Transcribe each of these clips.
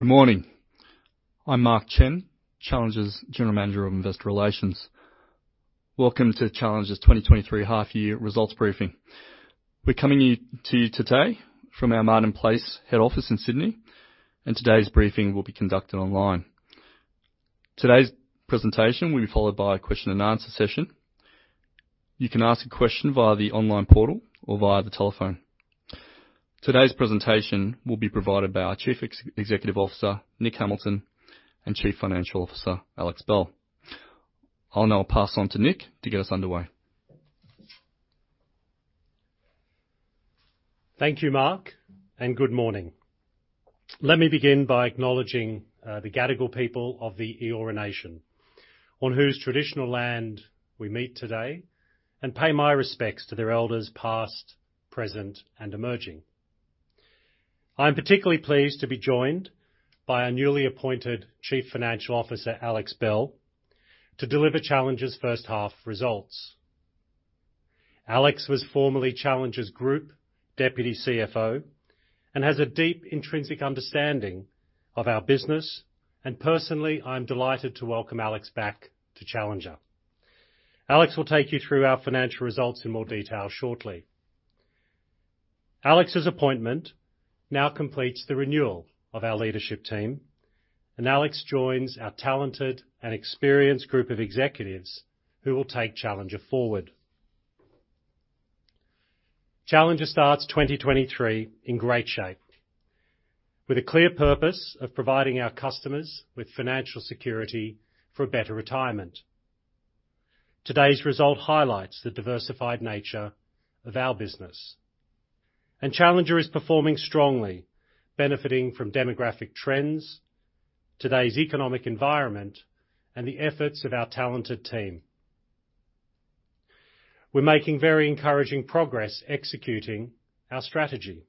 Good morning. I'm Mark Chen, Challenger's General Manager of Investor Relations. Welcome to Challenger's 2023 Half Year Results Briefing. We're coming to you today from our Martin Place head office in Sydney. Today's briefing will be conducted online. Today's presentation will be followed by a question and answer session. You can ask a question via the online portal or via the telephone. Today's presentation will be provided by our Chief Executive Officer, Nick Hamilton, and Chief Financial Officer, Alex Bell. I'll now pass on to Nick to get us underway. Thank you, Mark, and good morning. Let me begin by acknowledging the Gadigal people of the Eora Nation, on whose traditional land we meet today, and pay my respects to their elders past, present, and emerging. I'm particularly pleased to be joined by our newly appointed Chief Financial Officer, Alex Bell, to deliver Challenger's first half results. Alex was formerly Challenger's Group Deputy CFO and has a deep intrinsic understanding of our business. Personally, I'm delighted to welcome Alex back to Challenger. Alex will take you through our financial results in more detail shortly. Alex's appointment now completes the renewal of our leadership team. Alex joins our talented and experienced group of executives who will take Challenger forward. Challenger starts 2023 in great shape, with a clear purpose of providing our customers with financial security for a better retirement. Today's result highlights the diversified nature of our business. Challenger is performing strongly, benefiting from demographic trends, today's economic environment, and the efforts of our talented team. We're making very encouraging progress executing our strategy.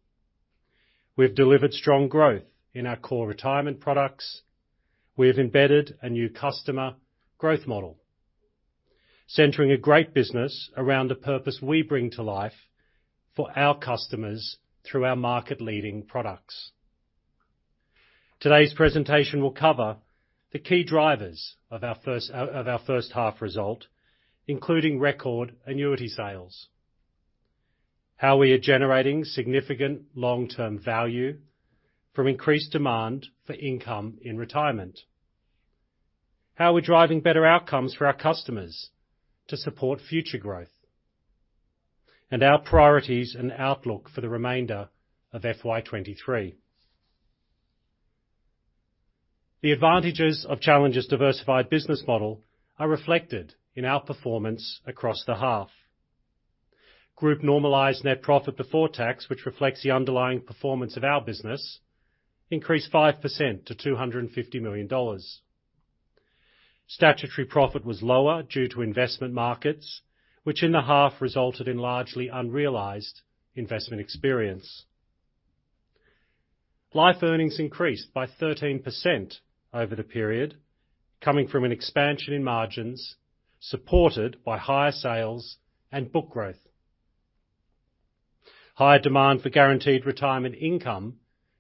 We've delivered strong growth in our core retirement products. We have embedded a new customer growth model, centering a great business around a purpose we bring to life for our customers through our market-leading products. Today's presentation will cover the key drivers of our first half result, including record annuity sales. How we are generating significant long-term value from increased demand for income in retirement. How we're driving better outcomes for our customers to support future growth. Our priorities and outlook for the remainder of FY23. The advantages of Challenger's diversified business model are reflected in our performance across the half. Group normalized net profit before tax, which reflects the underlying performance of our business, increased 5% to 250 million dollars. Statutory profit was lower due to investment markets, which in the half resulted in largely unrealized investment experience. Life earnings increased by 13% over the period, coming from an expansion in margins supported by higher sales and book growth. Higher demand for guaranteed retirement income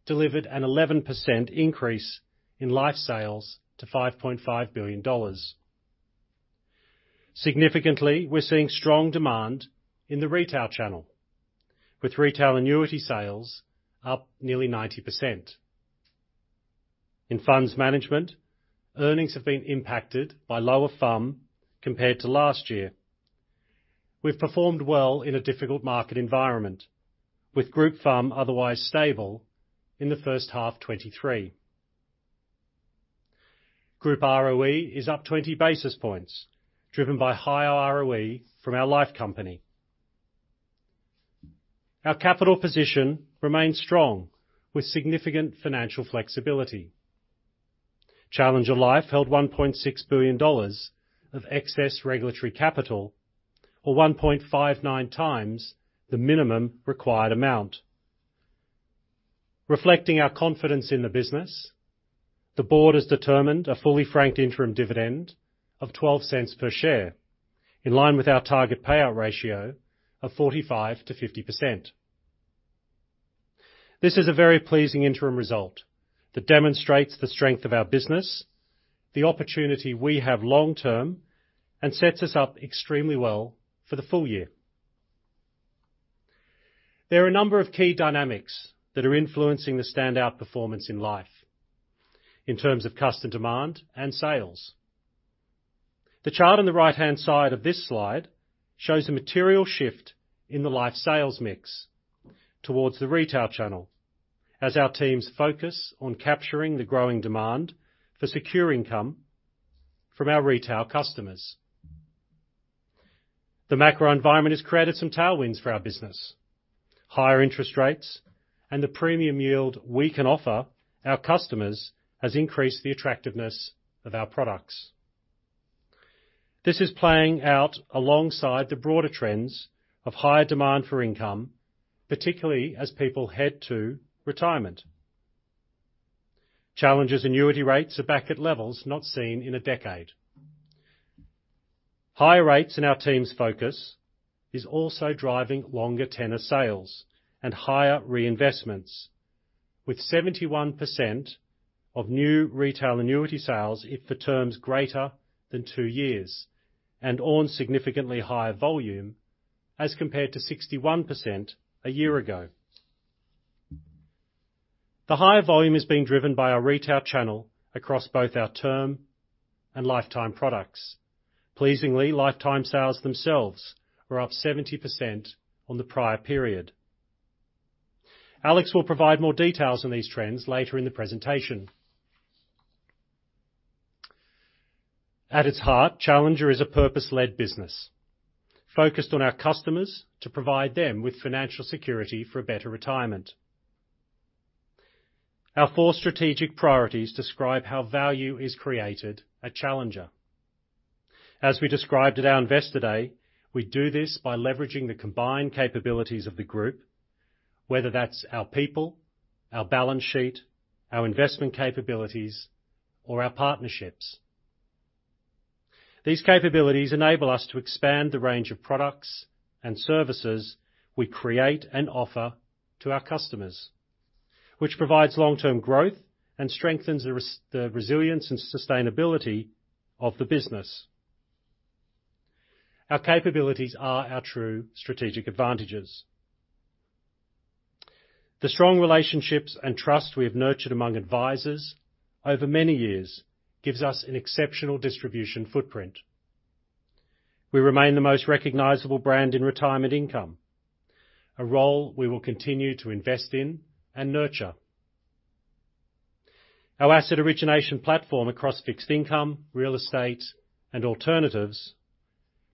delivered an 11% increase in life sales to 5.5 billion dollars. Significantly, we're seeing strong demand in the retail channel, with retail annuity sales up nearly 90%. In funds management, earnings have been impacted by lower FUM compared to last year. We've performed well in a difficult market environment, with group FUM otherwise stable in the first half 2023. Group ROE is up 20 basis points, driven by higher ROE from our life company. Our capital position remains strong with significant financial flexibility. Challenger Life held 1.6 billion dollars of excess regulatory capital or 1.59x the minimum required amount. Reflecting our confidence in the business, the board has determined a fully franked interim dividend of 0.12 per share, in line with our target payout ratio of 45%-50%. This is a very pleasing interim result that demonstrates the strength of our business, the opportunity we have long term, and sets us up extremely well for the full year. There are a number of key dynamics that are influencing the standout performance in life in terms of customer demand and sales. The chart on the right-hand side of this slide shows the material shift in the life sales mix towards the retail channel as our teams focus on capturing the growing demand for secure income from our retail customers. The macro environment has created some tailwinds for our business. Higher interest rates and the premium yield we can offer our customers has increased the attractiveness of our products. This is playing out alongside the broader trends of higher demand for income, particularly as people head to retirement. Challenger's annuity rates are back at levels not seen in a decade. High rates in our team's focus is also driving longer tenor sales and higher reinvestments, with 71% of new retail annuity sales if the term's greater than two years and on significantly higher volume as compared to 61% a year ago. The higher volume is being driven by our retail channel across both our term and lifetime products. Pleasingly, lifetime sales themselves were up 70% on the prior period. Alex will provide more details on these trends later in the presentation. At its heart, Challenger is a purpose-led business focused on our customers to provide them with financial security for a better retirement. Our four strategic priorities describe how value is created at Challenger. As we described at our Investor Day, we do this by leveraging the combined capabilities of the group, whether that's our people, our balance sheet, our investment capabilities, or our partnerships. These capabilities enable us to expand the range of products and services we create and offer to our customers, which provides long-term growth and strengthens the resilience and sustainability of the business. Our capabilities are our true strategic advantages. The strong relationships and trust we have nurtured among advisors over many years gives us an exceptional distribution footprint. We remain the most recognizable brand in retirement income, a role we will continue to invest in and nurture. Our asset origination platform across fixed income, real estate, and alternatives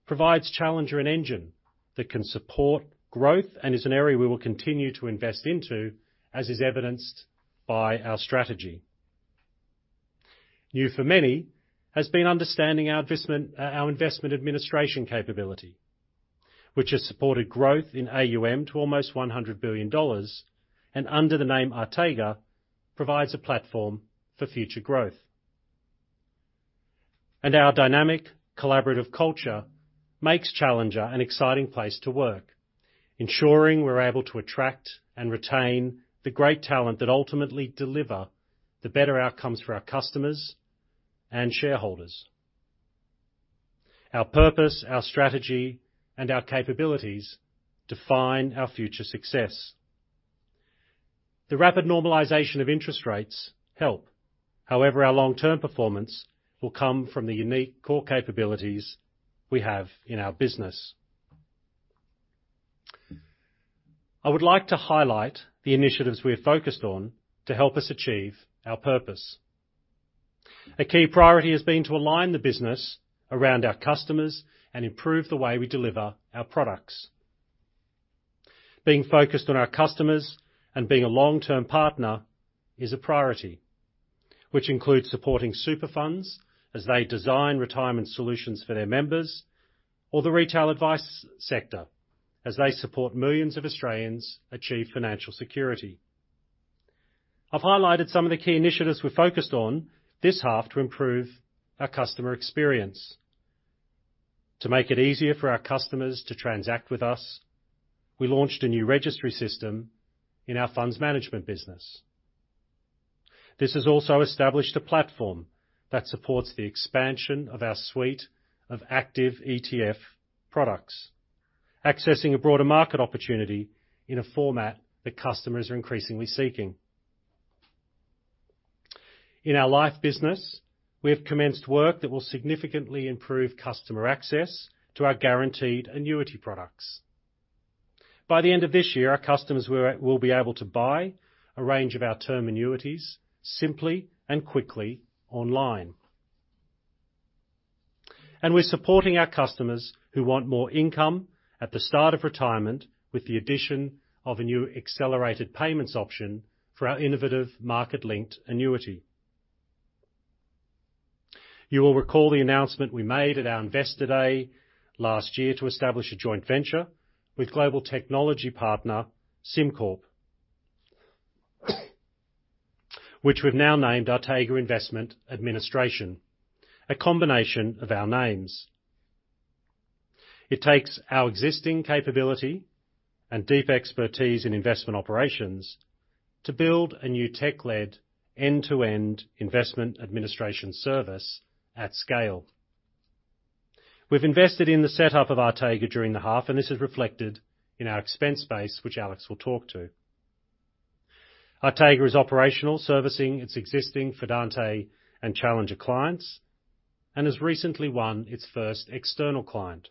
provides Challenger an engine that can support growth and is an area we will continue to invest into, as is evidenced by our strategy. New for many has been understanding our investment, our investment administration capability, which has supported growth in AUM to almost 100 billion dollars, and under the name Artega, provides a platform for future growth. Our dynamic, collaborative culture makes Challenger an exciting place to work, ensuring we're able to attract and retain the great talent that ultimately deliver the better outcomes for our customers and shareholders. Our purpose, our strategy, and our capabilities define our future success. The rapid normalization of interest rates help. Our long-term performance will come from the unique core capabilities we have in our business. I would like to highlight the initiatives we are focused on to help us achieve our purpose. A key priority has been to align the business around our customers and improve the way we deliver our products. Being focused on our customers and being a long-term partner is a priority, which includes supporting super funds as they design retirement solutions for their members or the retail advice sector as they support millions of Australians achieve financial security. I've highlighted some of the key initiatives we're focused on this half to improve our customer experience. To make it easier for our customers to transact with us, we launched a new registry system in our funds management business. This has also established a platform that supports the expansion of our suite of active ETF products, accessing a broader market opportunity in a format that customers are increasingly seeking. In our life business, we have commenced work that will significantly improve customer access to our guaranteed annuity products. By the end of this year, our customers will be able to buy a range of our term annuities simply and quickly online. We're supporting our customers who want more income at the start of retirement with the addition of a new accelerated payments option for our innovative market-linked annuity. You will recall the announcement we made at our Investor Day last year to establish a joint venture with global technology partner SimCorp, which we've now named Artega Investment Administration, a combination of our names. It takes our existing capability and deep expertise in investment operations to build a new tech-led end-to-end investment administration service at scale. We've invested in the setup of Artega during the half, and this is reflected in our expense base, which Alex will talk to. Artega is operational, servicing its existing Fidante and Challenger clients, and has recently won its first external client.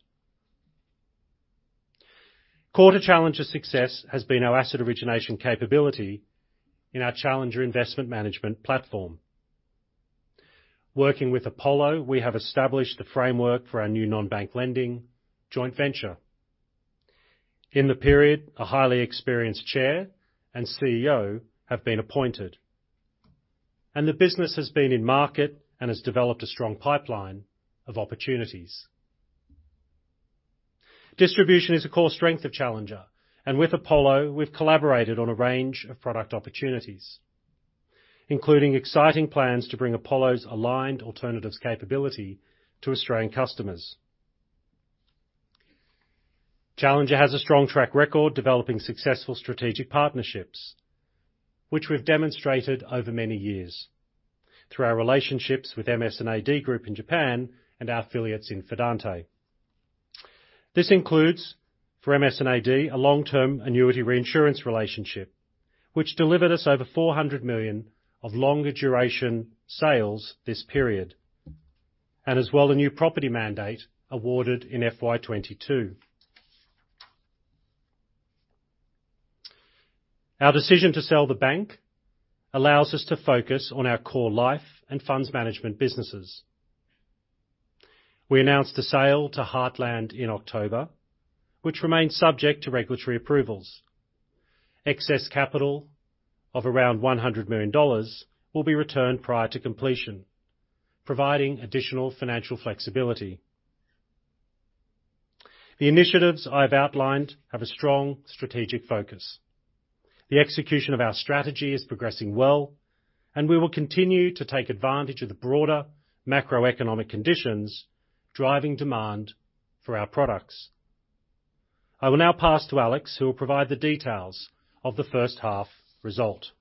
Core to Challenger's success has been our asset origination capability in our Challenger Investment Management platform. Working with Apollo, we have established the framework for our new non-bank lending joint venture. In the period, a highly experienced chair and CEO have been appointed, and the business has been in market and has developed a strong pipeline of opportunities. Distribution is a core strength of Challenger, and with Apollo, we've collaborated on a range of product opportunities, including exciting plans to bring Apollo's aligned alternatives capability to Australian customers. Challenger has a strong track record developing successful strategic partnerships, which we've demonstrated over many years through our relationships with MS&AD group in Japan and our affiliates in Fidante. This includes, for MS&AD, a long-term annuity reinsurance relationship, which delivered us over 400 million of longer duration sales this period, as well, the new property mandate awarded in FY 2022. Our decision to sell the bank allows us to focus on our core Life and funds management businesses. We announced the sale to Heartland in October, which remains subject to regulatory approvals. Excess capital of around 100 million dollars will be returned prior to completion, providing additional financial flexibility. The initiatives I've outlined have a strong strategic focus. The execution of our strategy is progressing well. We will continue to take advantage of the broader macroeconomic conditions driving demand for our products. I will now pass to Alex, who will provide the details of the first half result.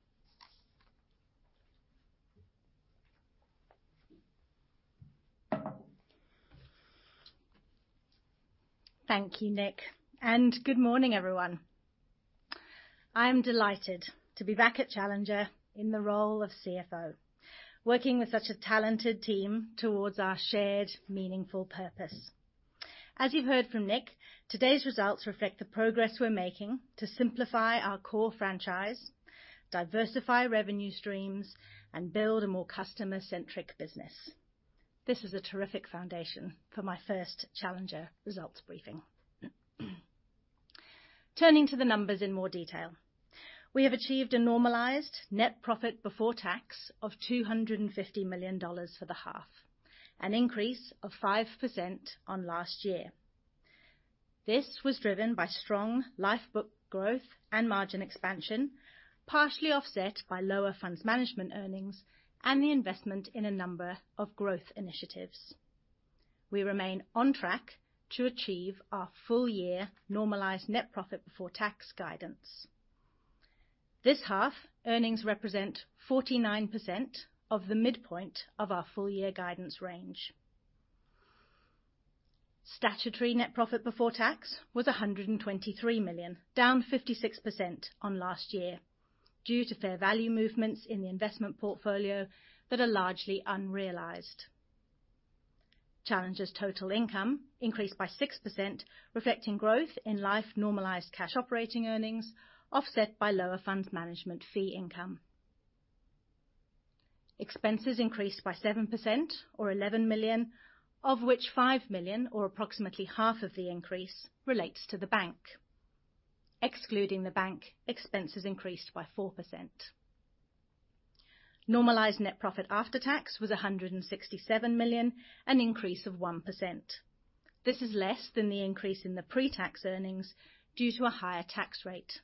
Good morning, everyone. I'm delighted to be back at Challenger in the role of CFO, working with such a talented team towards our shared meaningful purpose. As you've heard from Nick, today's results reflect the progress we're making to simplify our core franchise, diversify revenue streams, and build a more customer-centric business. This is a terrific foundation for my first Challenger results briefing. Turning to the numbers in more detail. We have achieved a normalised net profit before tax of 250 million dollars for the half, an increase of 5% on last year. This was driven by strong life book growth and margin expansion, partially offset by lower funds management earnings and the investment in a number of growth initiatives. We remain on track to achieve our full year normalised net profit before tax guidance. This half earnings represent 49% of the midpoint of our full year guidance range. Statutory net profit before tax was 123 million, down 56% on last year due to fair value movements in the investment portfolio that are largely unrealized. Challenger's total income increased by 6%, reflecting growth in Life normalized cash operating earnings, offset by lower funds management fee income. Expenses increased by 7% or 11 million, of which 5 million or approximately half of the increase relates to the bank. Excluding the bank, expenses increased by 4%. Normalized net profit after tax was 167 million, an increase of 1%. This is less than the increase in the pre-tax earnings due to a higher tax rate.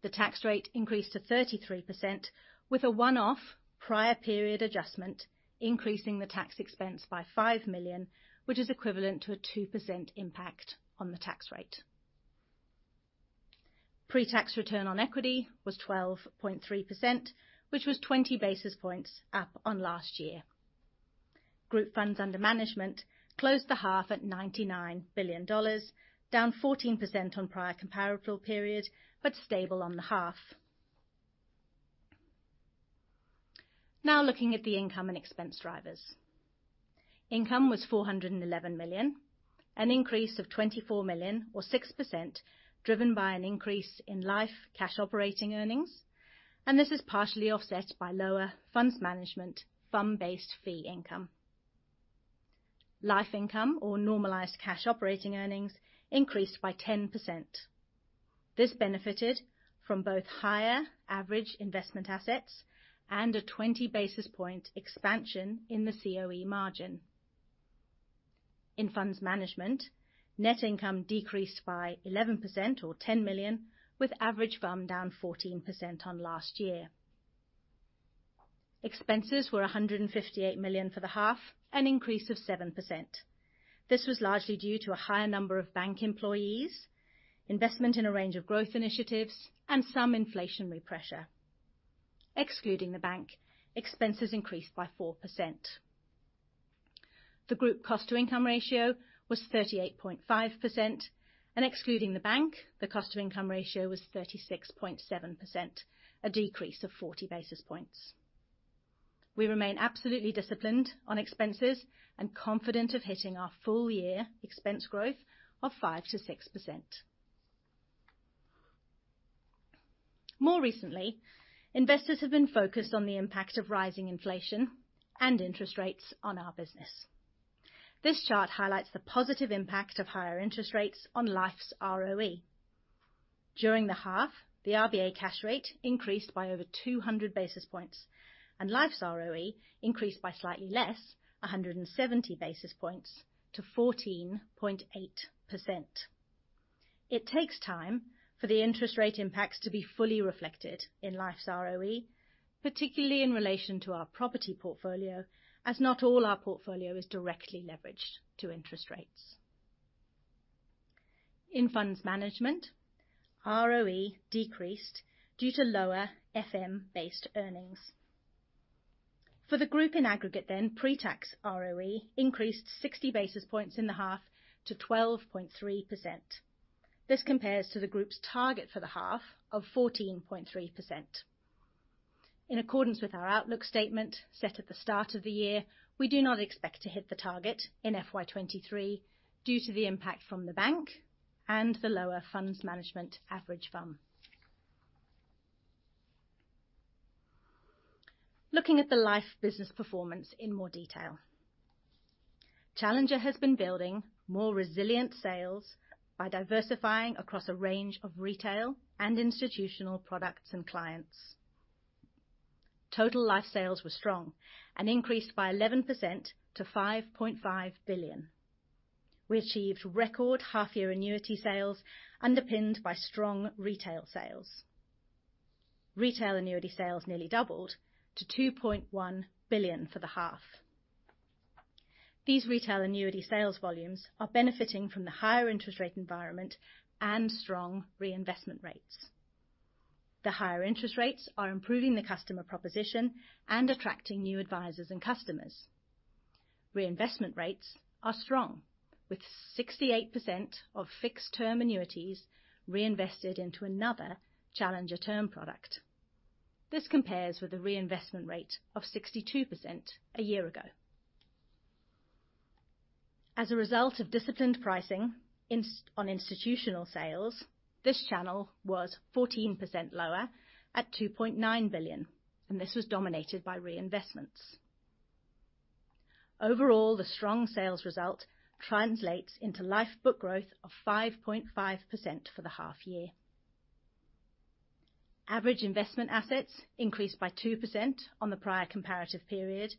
The tax rate increased to 33% with a one-off prior period adjustment, increasing the tax expense by 5 million, which is equivalent to a 2% impact on the tax rate. Pre-tax return on equity was 12.3%, which was 20 basis points up on last year. Group Funds Under Management closed the half at 99 billion dollars, down 14% on prior comparable period, but stable on the half. Looking at the income and expense drivers. Income was 411 million, an increase of 24 million or 6%, driven by an increase in normalised cash operating earnings. This is partially offset by lower funds management fund-based fee income. Life income or normalised cash operating earnings increased by 10%. This benefited from both higher average investment assets and a 20 basis point expansion in the COE margin. In funds management, net income decreased by 11% or $10 million, with average FUM down 14% on last year. Expenses were $158 million for the half, an increase of 7%. This was largely due to a higher number of Bank employees, investment in a range of growth initiatives, and some inflationary pressure. Excluding the Bank, expenses increased by 4%. The group cost to income ratio was 38.5%, and excluding the Bank, the cost-to-income ratio was 36.7%, a decrease of 40 basis points. We remain absolutely disciplined on expenses and confident of hitting our full year expense growth of 5%-6%. More recently, investors have been focused on the impact of rising inflation and interest rates on our business. This chart highlights the positive impact of higher interest rates on Life's ROE. During the half, the RBA cash rate increased by over 200 basis points and Life's ROE increased by slightly less, 170 basis points to 14.8%. It takes time for the interest rate impacts to be fully reflected in Life's ROE, particularly in relation to our property portfolio, as not all our portfolio is directly leveraged to interest rates. In funds management, ROE decreased due to lower FM-based earnings. For the group in aggregate then, pre-tax ROE increased 60 basis points in the half to 12.3%. This compares to the group's target for the half of 14.3%. In accordance with our outlook statement set at the start of the year, we do not expect to hit the target in FY23 due to the impact from the bank and the lower Funds Management average fund. Looking at the Life business performance in more detail. Challenger has been building more resilient sales by diversifying across a range of retail and institutional products and clients. Total Life sales were strong and increased by 11% to 5.5 billion. We achieved record half-year annuity sales underpinned by strong retail sales. Retail annuity sales nearly doubled to 2.1 billion for the half. These retail annuity sales volumes are benefiting from the higher interest rate environment and strong reinvestment rates. The higher interest rates are improving the customer proposition and attracting new advisors and customers. Reinvestment rates are strong, with 68% of fixed term annuities reinvested into another Challenger term product. This compares with a reinvestment rate of 62% a year ago. As a result of disciplined pricing on institutional sales, this channel was 14% lower at 2.9 billion, and this was dominated by reinvestments. Overall, the strong sales result translates into life book growth of 5.5% for the half year. Average investment assets increased by 2% on the prior comparative period,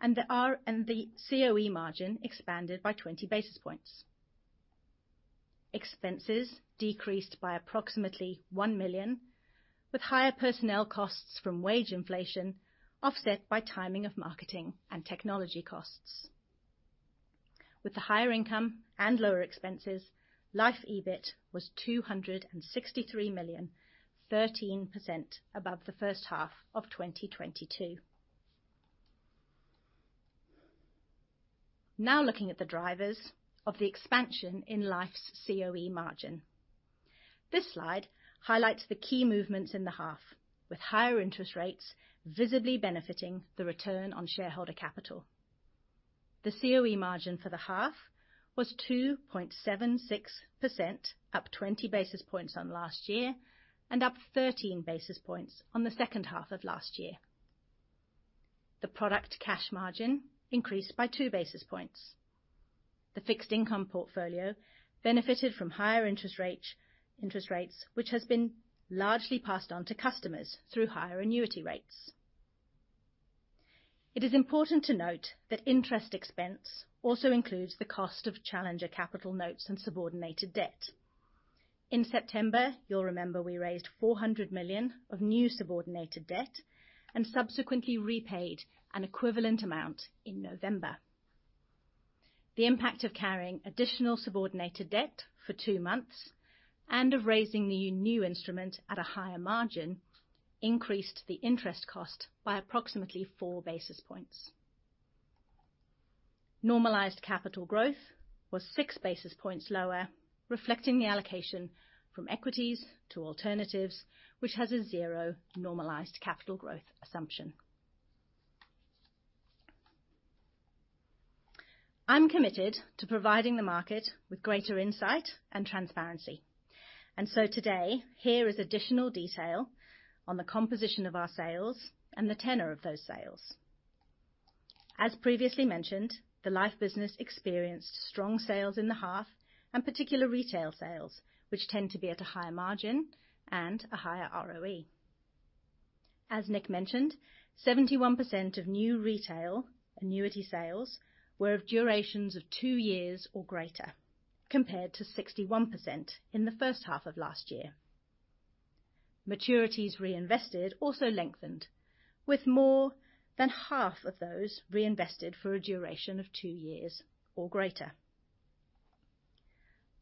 and the R and the COE margin expanded by 20 basis points. Expenses decreased by approximately 1 million, with higher personnel costs from wage inflation offset by timing of marketing and technology costs. With the higher income and lower expenses, life EBIT was 263 million, 13% above the first half of 2022. Looking at the drivers of the expansion in Life's COE margin. This slide highlights the key movements in the half, with higher interest rates visibly benefiting the return on shareholder capital. The COE margin for the half was 2.76%, up 20 basis points on last year, and up 13 basis points on the second half of last year. The product cash margin increased by 2 basis points. The fixed income portfolio benefited from higher interest rates, which has been largely passed on to customers through higher annuity rates. It is important to note that interest expense also includes the cost of Challenger Capital Notes and subordinated debt. In September, you'll remember we raised 400 million of new subordinated debt and subsequently repaid an equivalent amount in November. The impact of carrying additional subordinated debt for two months and of raising the new instrument at a higher margin increased the interest cost by approximately 4 basis points. Normalized capital growth was 6 basis points lower, reflecting the allocation from equities to alternatives, which has a zero normalized capital growth assumption. I'm committed to providing the market with greater insight and transparency. Today, here is additional detail on the composition of our sales and the tenor of those sales. As previously mentioned, the life business experienced strong sales in the half and particular retail sales, which tend to be at a higher margin and a higher ROE. As Nick mentioned, 71% of new retail annuity sales were of durations of two years or greater, compared to 61% in the first half of last year. Maturities reinvested also lengthened, with more than half of those reinvested for a duration of two years or greater.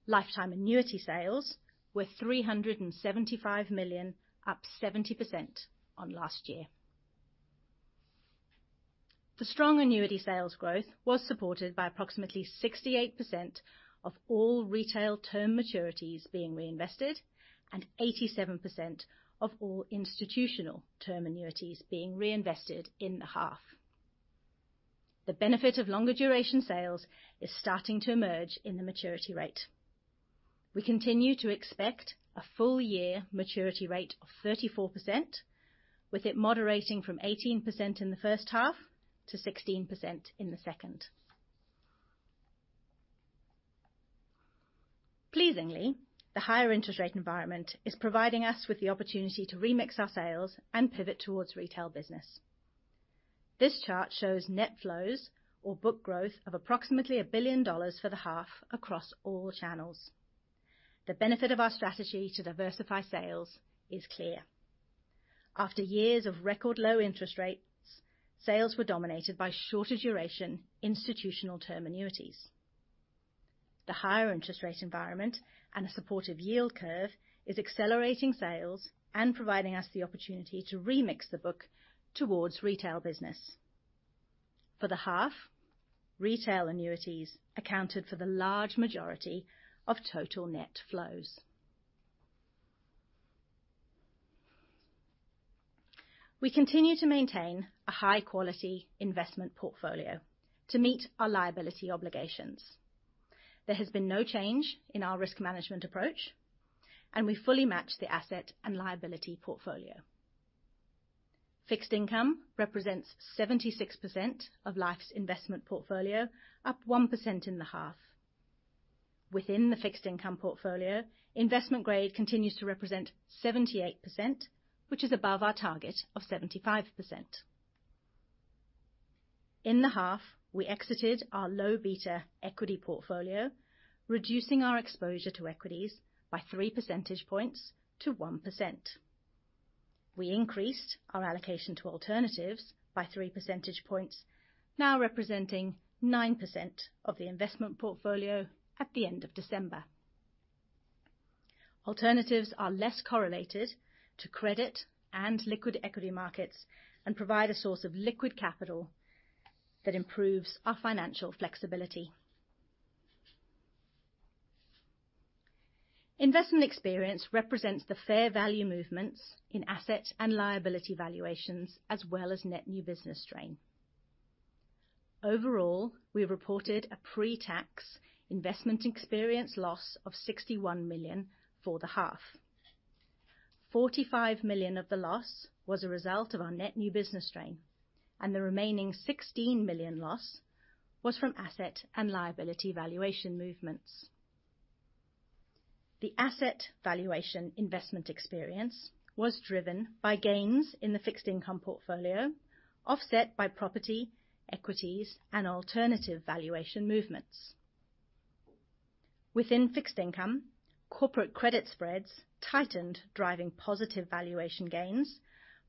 Lifetime annuity sales were 375 million, up 70% on last year. The strong annuity sales growth was supported by approximately 68% of all retail term maturities being reinvested and 87% of all institutional term annuities being reinvested in the half. The benefit of longer duration sales is starting to emerge in the maturity rate. We continue to expect a full year maturity rate of 34%, with it moderating from 18% in the first half to 16% in the second. Pleasingly, the higher interest rate environment is providing us with the opportunity to re-mix our sales and pivot towards retail business. This chart shows net flows or book growth of approximately 1 billion dollars for the half across all channels. The benefit of our strategy to diversify sales is clear. After years of record low interest rates, sales were dominated by shorter duration institutional term annuities. The higher interest rate environment and a supportive yield curve is accelerating sales and providing us the opportunity to remix the book towards retail business. For the half, retail annuities accounted for the large majority of total net flows. We continue to maintain a high quality investment portfolio to meet our liability obligations. There has been no change in our risk management approach, and we fully match the asset and liability portfolio. Fixed income represents 76% of Life's investment portfolio, up 1% in the half. Within the fixed income portfolio, investment grade continues to represent 78%, which is above our target of 75%. In the half, we exited our low beta equity portfolio, reducing our exposure to equities by 3 percentage points to 1%. We increased our allocation to alternatives by 3 percentage points, now representing 9% of the investment portfolio at the end of December. Alternatives are less correlated to credit and liquid equity markets and provide a source of liquid capital that improves our financial flexibility. Investment experience represents the fair value movements in asset and liability valuations, as well as net new business strain. Overall, we have reported a pre-tax investment experience loss of 61 million for the half. 45 million of the loss was a result of our net new business strain, and the remaining 16 million loss was from asset and liability valuation movements. The asset valuation investment experience was driven by gains in the fixed income portfolio, offset by property, equities, and alternative valuation movements. Within fixed income, corporate credit spreads tightened, driving positive valuation gains,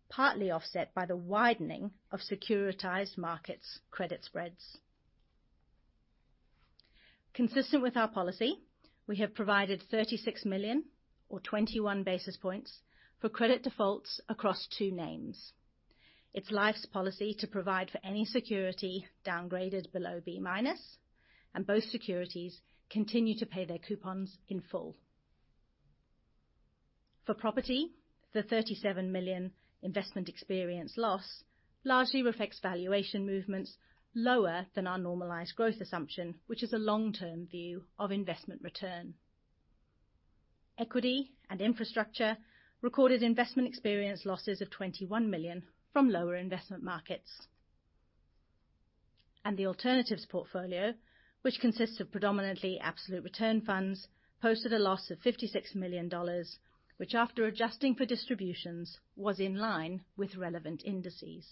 partly offset by the widening of securitized markets credit spreads. Consistent with our policy, we have provided 36 million or 21 basis points for credit defaults across two names. It's Life's policy to provide for any security downgraded below B-, and both securities continue to pay their coupons in full. For property, the 37 million investment experience loss largely reflects valuation movements lower than our normalized growth assumption, which is a long-term view of investment return. Equity and infrastructure recorded investment experience losses of 21 million from lower investment markets. The alternatives portfolio, which consists of predominantly absolute return funds, posted a loss of 56 million dollars, which after adjusting for distributions, was in line with relevant indices.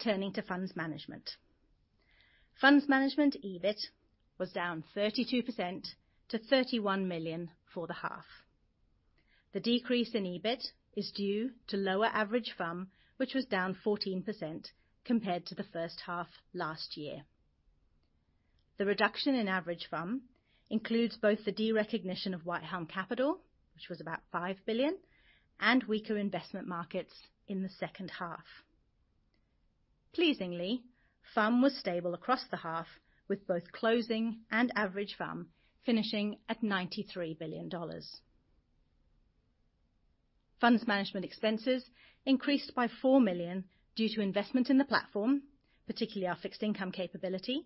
Turning to Funds Management. Funds Management EBIT was down 32% to 31 million for the half. The decrease in EBIT is due to lower average FUM, which was down 14% compared to the first half last year. The reduction in average FUM includes both the derecognition of Whitehelm Capital, which was about 5 billion, and weaker investment markets in the second half. Pleasingly, FUM was stable across the half, with both closing and average FUM finishing at 93 billion dollars. Funds Management expenses increased by 4 million due to investment in the platform, particularly our fixed income capability,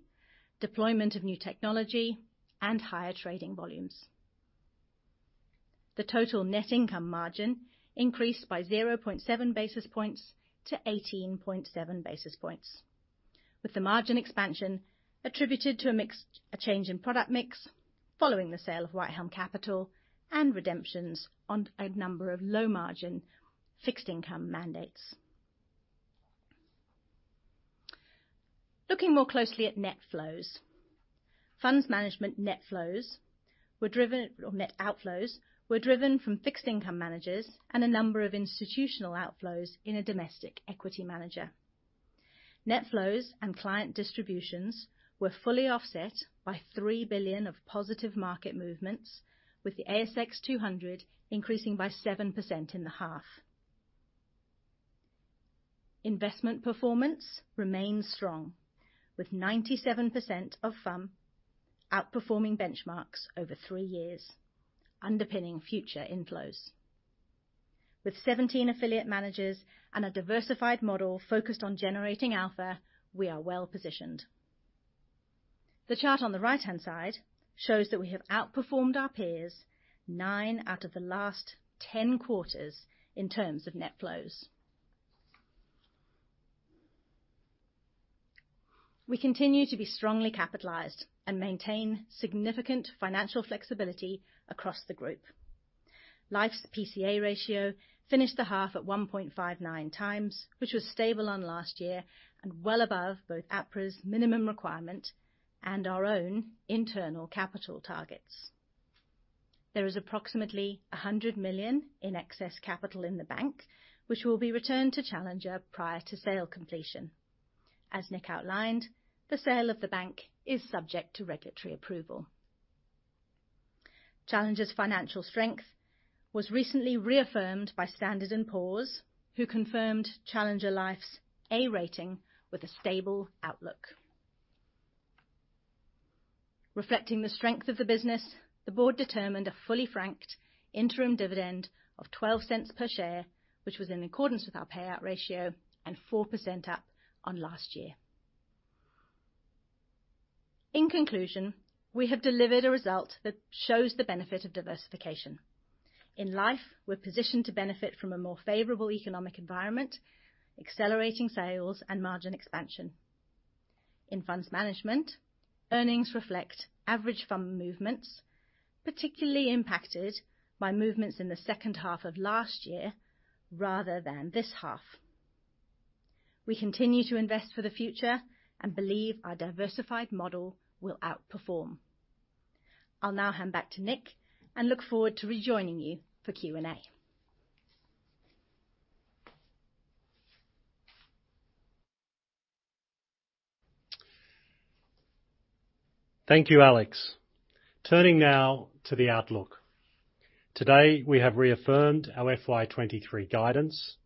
deployment of new technology, and higher trading volumes. The total net income margin increased by 0.7 basis points to 18.7 basis points, with the margin expansion attributed to a change in product mix following the sale of Whitehelm Capital and redemptions on a number of low margin fixed income mandates. Looking more closely at net flows. Funds Management net outflows were driven from fixed income managers and a number of institutional outflows in a domestic equity manager. Net flows and client distributions were fully offset by 3 billion of positive market movements, with the S&P/ASX 200 increasing by 7% in the half. Investment performance remains strong, with 97% of FUM outperforming benchmarks over three years underpinning future inflows. With 17 affiliate managers and a diversified model focused on generating alpha, we are well positioned. The chart on the right-hand side shows that we have outperformed our peers nine out of the last 10 quarters in terms of net flows. We continue to be strongly capitalized and maintain significant financial flexibility across the group. Life's PCA ratio finished the half at 1.59x, which was stable on last year and well above both APRA's minimum requirement and our own internal capital targets. There is approximately 100 million in excess capital in the bank, which will be returned to Challenger prior to sale completion. As Nick outlined, the sale of the bank is subject to regulatory approval. Challenger's financial strength was recently reaffirmed by S&P Global Ratings, who confirmed Challenger Life's A rating with a stable outlook. Reflecting the strength of the business, the board determined a fully franked interim dividend of 0.12 per share, which was in accordance with our payout ratio, 4% up on last year. In conclusion, we have delivered a result that shows the benefit of diversification. In Life, we're positioned to benefit from a more favorable economic environment, accelerating sales and margin expansion. In Funds Management, earnings reflect average FUM movements, particularly impacted by movements in the second half of last year rather than this half. We continue to invest for the future and believe our diversified model will outperform. I'll now hand back to Nick and look forward to rejoining you for Q&A. Thank you, Alex. Turning now to the outlook. Today, we have reaffirmed our FY23 guidance.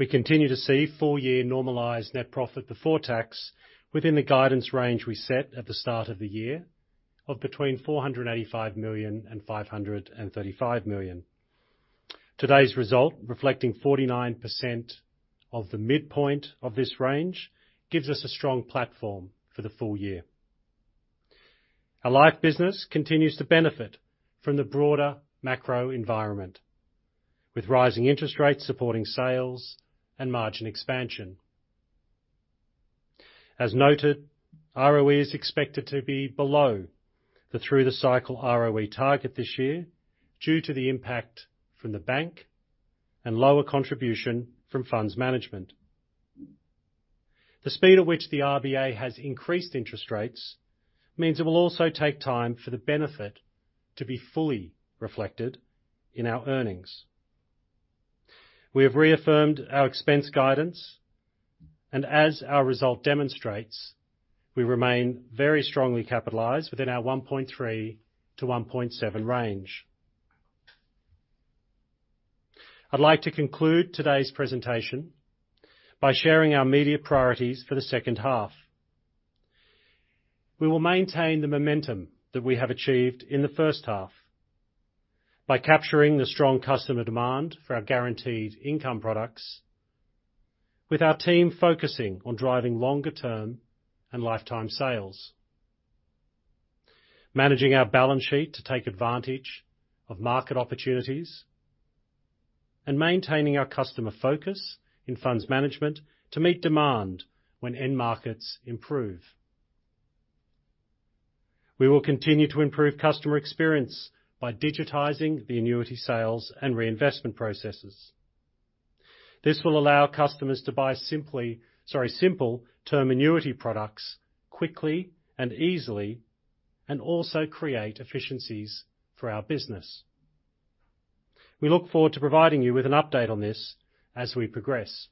We continue to see full year normalised net profit before tax within the guidance range we set at the start of the year of between 485 million and 535 million. Today's result, reflecting 49% of the midpoint of this range, gives us a strong platform for the full year. Our Life business continues to benefit from the broader macro environment, with rising interest rates supporting sales and margin expansion. As noted, ROE is expected to be below the through-the-cycle ROE target this year due to the impact from the Bank and lower contribution from Funds Management. The speed at which the RBA has increased interest rates means it will also take time for the benefit to be fully reflected in our earnings. We have reaffirmed our expense guidance, and as our result demonstrates, we remain very strongly capitalized within our 1.3-1.7 range. I'd like to conclude today's presentation by sharing our media priorities for the second half. We will maintain the momentum that we have achieved in the first half by capturing the strong customer demand for our guaranteed income products, with our team focusing on driving longer-term and lifetime sales; managing our balance sheet to take advantage of market opportunities; and maintaining our customer focus in Funds Management to meet demand when end markets improve. We will continue to improve customer experience by digitizing the annuity sales and reinvestment processes. This will allow customers to buy simple term annuity products quickly and easily, and also create efficiencies for our business. We look forward to providing you with an update on this as we progress.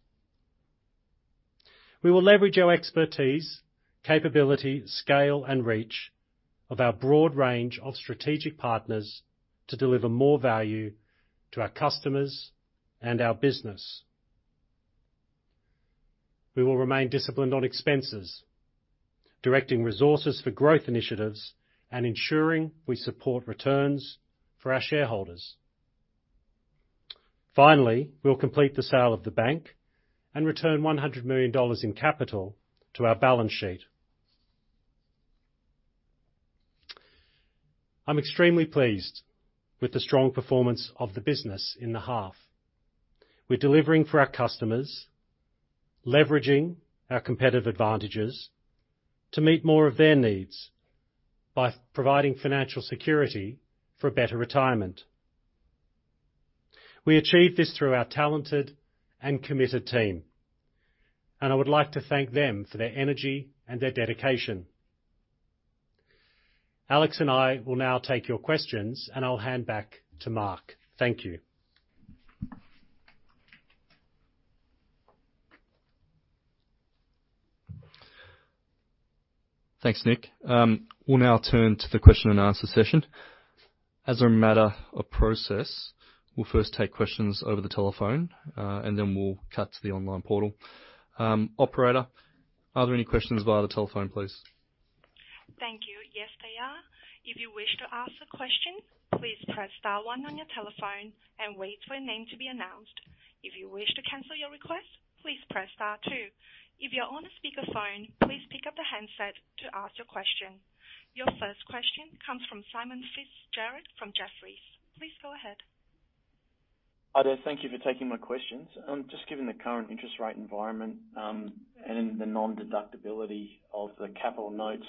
We will leverage our expertise, capability, scale, and reach of our broad range of strategic partners to deliver more value to our customers and our business. We will remain disciplined on expenses, directing resources for growth initiatives and ensuring we support returns for our shareholders. Finally, we'll complete the sale of the bank and return 100 million dollars in capital to our balance sheet. I'm extremely pleased with the strong performance of the business in the half. We're delivering for our customers, leveraging our competitive advantages to meet more of their needs by providing financial security for a better retirement. We achieve this through our talented and committed team, and I would like to thank them for their energy and their dedication. Alex and I will now take your questions, and I'll hand back to Mark. Thank you. Thanks, Nick. We'll now turn to the question and answer session. As a matter of process, we'll first take questions over the telephone, and then we'll cut to the online portal. Operator, are there any questions via the telephone, please? Thank you. Yes, if you wish to ask a question, please press star one on your telephone and wait for your name to be announced. If you wish to cancel your request, please press star two. If you're on a speakerphone, please pick up the handset to ask your question. Your first question comes from Simon Fitzgerald from Jefferies. Please go ahead. Hi there. Thank you for taking my questions. Just given the current interest rate environment, and the non-deductibility of the Capital Notes,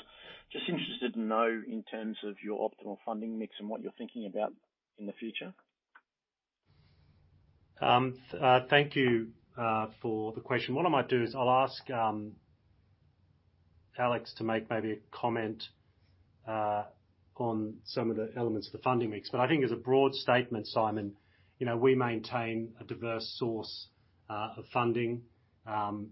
just interested to know in terms of your optimal funding mix and what you're thinking about in the future. Thank you for the question. What I might do is I'll ask Alex to make maybe a comment on some of the elements of the funding mix. I think as a broad statement, Simon, you know, we maintain a diverse source of funding on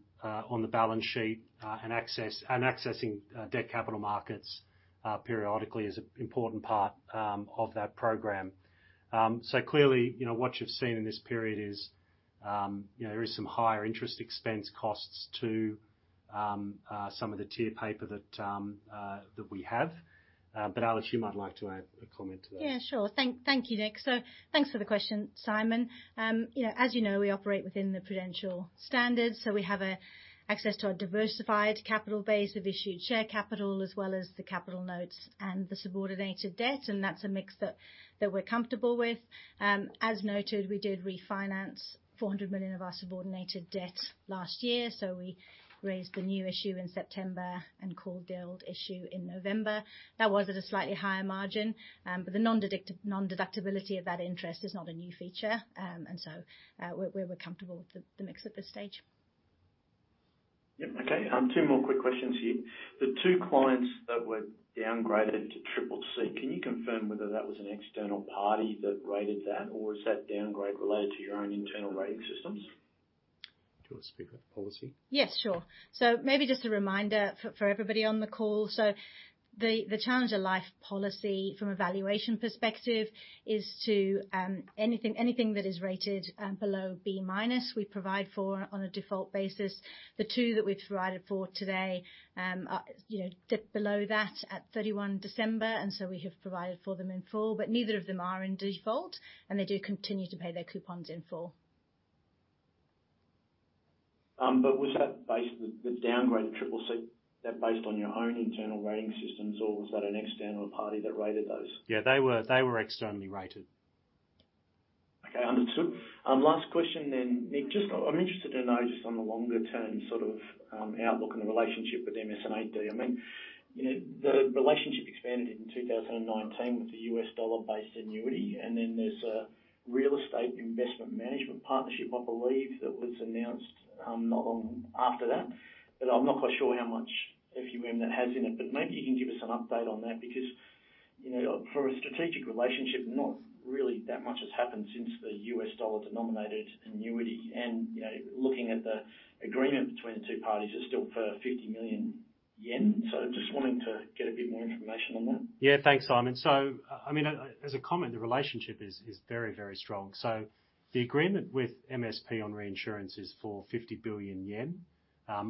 the balance sheet, and access, and accessing debt capital markets periodically is an important part of that program. Clearly, you know, what you've seen in this period is, you know, there is some higher interest expense costs to some of the tier paper that we have. Alex, you might like to add a comment to that. Yeah, sure. Thank you, Nick. Thanks for the question, Simon. You know, as you know, we operate within the Prudential Standards, so we have access to a diversified capital base of issued share capital, as well as the Capital Notes and the subordinated debt, and that's a mix that we're comfortable with. As noted, we did refinance 400 million of our subordinated debt last year, so we raised the new issue in September and called the old issue in November. That was at a slightly higher margin, but the non-deductibility of that interest is not a new feature. We're comfortable with the mix at this stage. Yeah. Okay. Two more quick questions here. The two clients that were downgraded to CCC, can you confirm whether that was an external party that rated that, or was that downgrade related to your own internal rating systems? Do you want to speak about policy? Maybe just a reminder for everybody on the call. The Challenger Life policy from a valuation perspective is to anything that is rated below B-minus, we provide for on a default basis. The two that we've provided for today are, you know, dip below that at 31 December, we have provided for them in full. Neither of them are in default, and they do continue to pay their coupons in full. Was that based, the downgrade to CCC, that based on your own internal rating systems, or was that an external party that rated those? Yeah, they were externally rated. Understood. Last question then. Nick, just I'm interested to know just on the longer term sort of outlook on the relationship with MS&AD. I mean, you know, the relationship expanded in 2019 with the U.S. dollar based annuity, and then there's a real estate investment management partnership, I believe, that was announced not long after that. I'm not quite sure how much FUM that has in it. Maybe you can give us an update on that because, you know, for a strategic relationship, not really that much has happened since the U.S. dollar denominated annuity. You know, looking at the agreement between the two parties is still for 50 million yen. Just wanting to get a bit more information on that. Yeah. Thanks, Simon. I mean, as a comment, the relationship is very, very strong. The agreement with MSP on reinsurance is for 50 billion yen.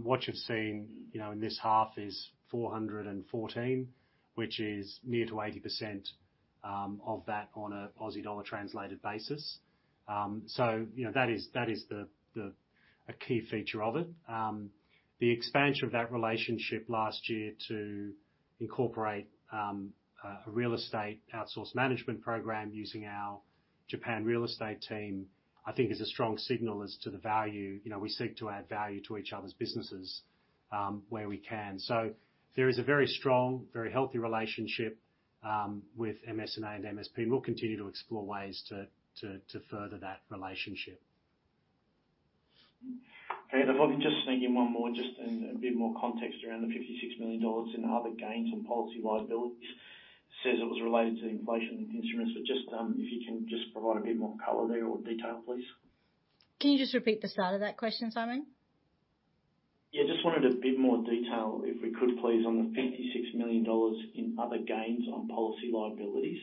What you've seen, you know, in this half is 414, which is near to 80%, of that on a AUD translated basis. You know, that is a key feature of it. The expansion of that relationship last year to incorporate a real estate outsource management program using our Japan real estate team, I think is a strong signal as to the value. You know, we seek to add value to each other's businesses, where we can. There is a very strong, very healthy relationship with MS&AD and MSP, and we'll continue to explore ways to further that relationship. Okay. Probably just thinking one more just in a bit more context around the $56 million in other gains on policy liabilities. Says it was related to inflation instruments. Just, if you can just provide a bit more color there or detail, please. Can you just repeat the start of that question, Simon? Just wanted a bit more detail, if we could please, on the 56 million dollars in other gains on policy liabilities.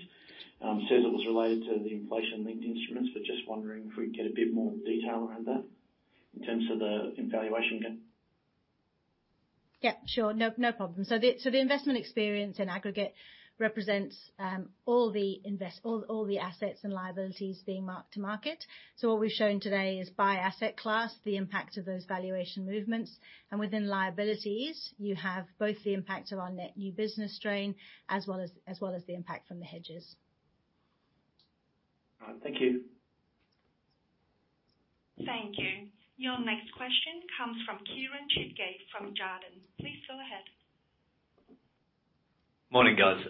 Says it was related to the inflation-linked instruments, but just wondering if we could get a bit more detail around that in terms of the valuation gain. Yeah, sure. No, no problem. The investment experience in aggregate represents all the assets and liabilities being marked to market. What we've shown today is by asset class, the impact of those valuation movements. Within liabilities, you have both the impact of our net new business strain as well as the impact from the hedges. All right. Thank you. Thank you. Your next question comes from Kieren Chidgey from Jarden. Please go ahead. Morning, guys.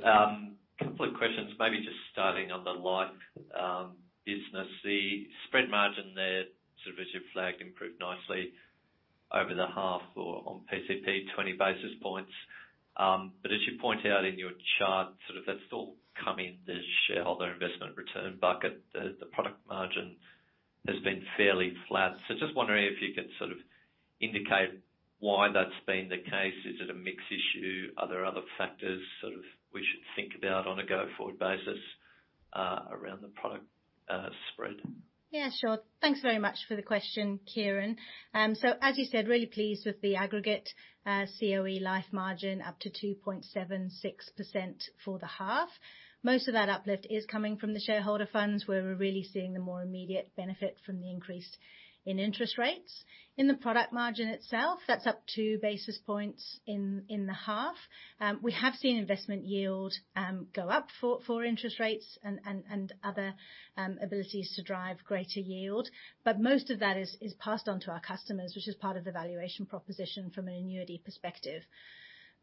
Couple of questions. Maybe just starting on the Life business. The spread margin there, sort of as you flagged, improved nicely over the half or on PCP 20 basis points. As you point out in your chart, sort of that's still come in the shareholder investment return bucket. The product margin has been fairly flat. Just wondering if you could sort of indicate why that's been the case. Is it a mix issue? Are there other factors sort of we should think about on a go-forward basis, around the product spread? Yeah, sure. Thanks very much for the question, Kieren. As you said, really pleased with the aggregate COE life margin up to 2.76% for the half. Most of that uplift is coming from the shareholder funds, where we're really seeing the more immediate benefit from the increase in interest rates. In the product margin itself, that's up 2 basis points in the half. We have seen investment yield go up for interest rates and other abilities to drive greater yield. Most of that is passed on to our customers, which is part of the valuation proposition from an annuity perspective.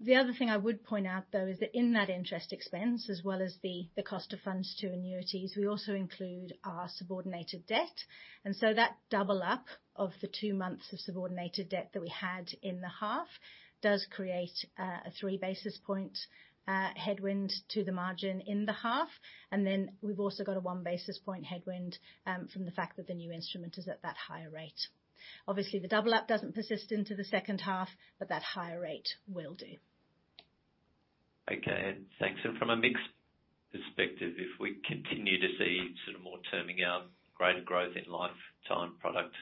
The other thing I would point out, though, is that in that interest expense, as well as the cost of funds to annuities, we also include our subordinated debt. That double-up of the two months of subordinated debt that we had in the half does create, a 3 basis point headwind to the margin in the half. We've also got a 1 basis point headwind from the fact that the new instrument is at that higher rate. Obviously, the double-up doesn't persist into the second half, but that higher rate will do. Okay. Thanks. From a mix perspective, if we continue to see sort of more terming our greater growth in lifetime product,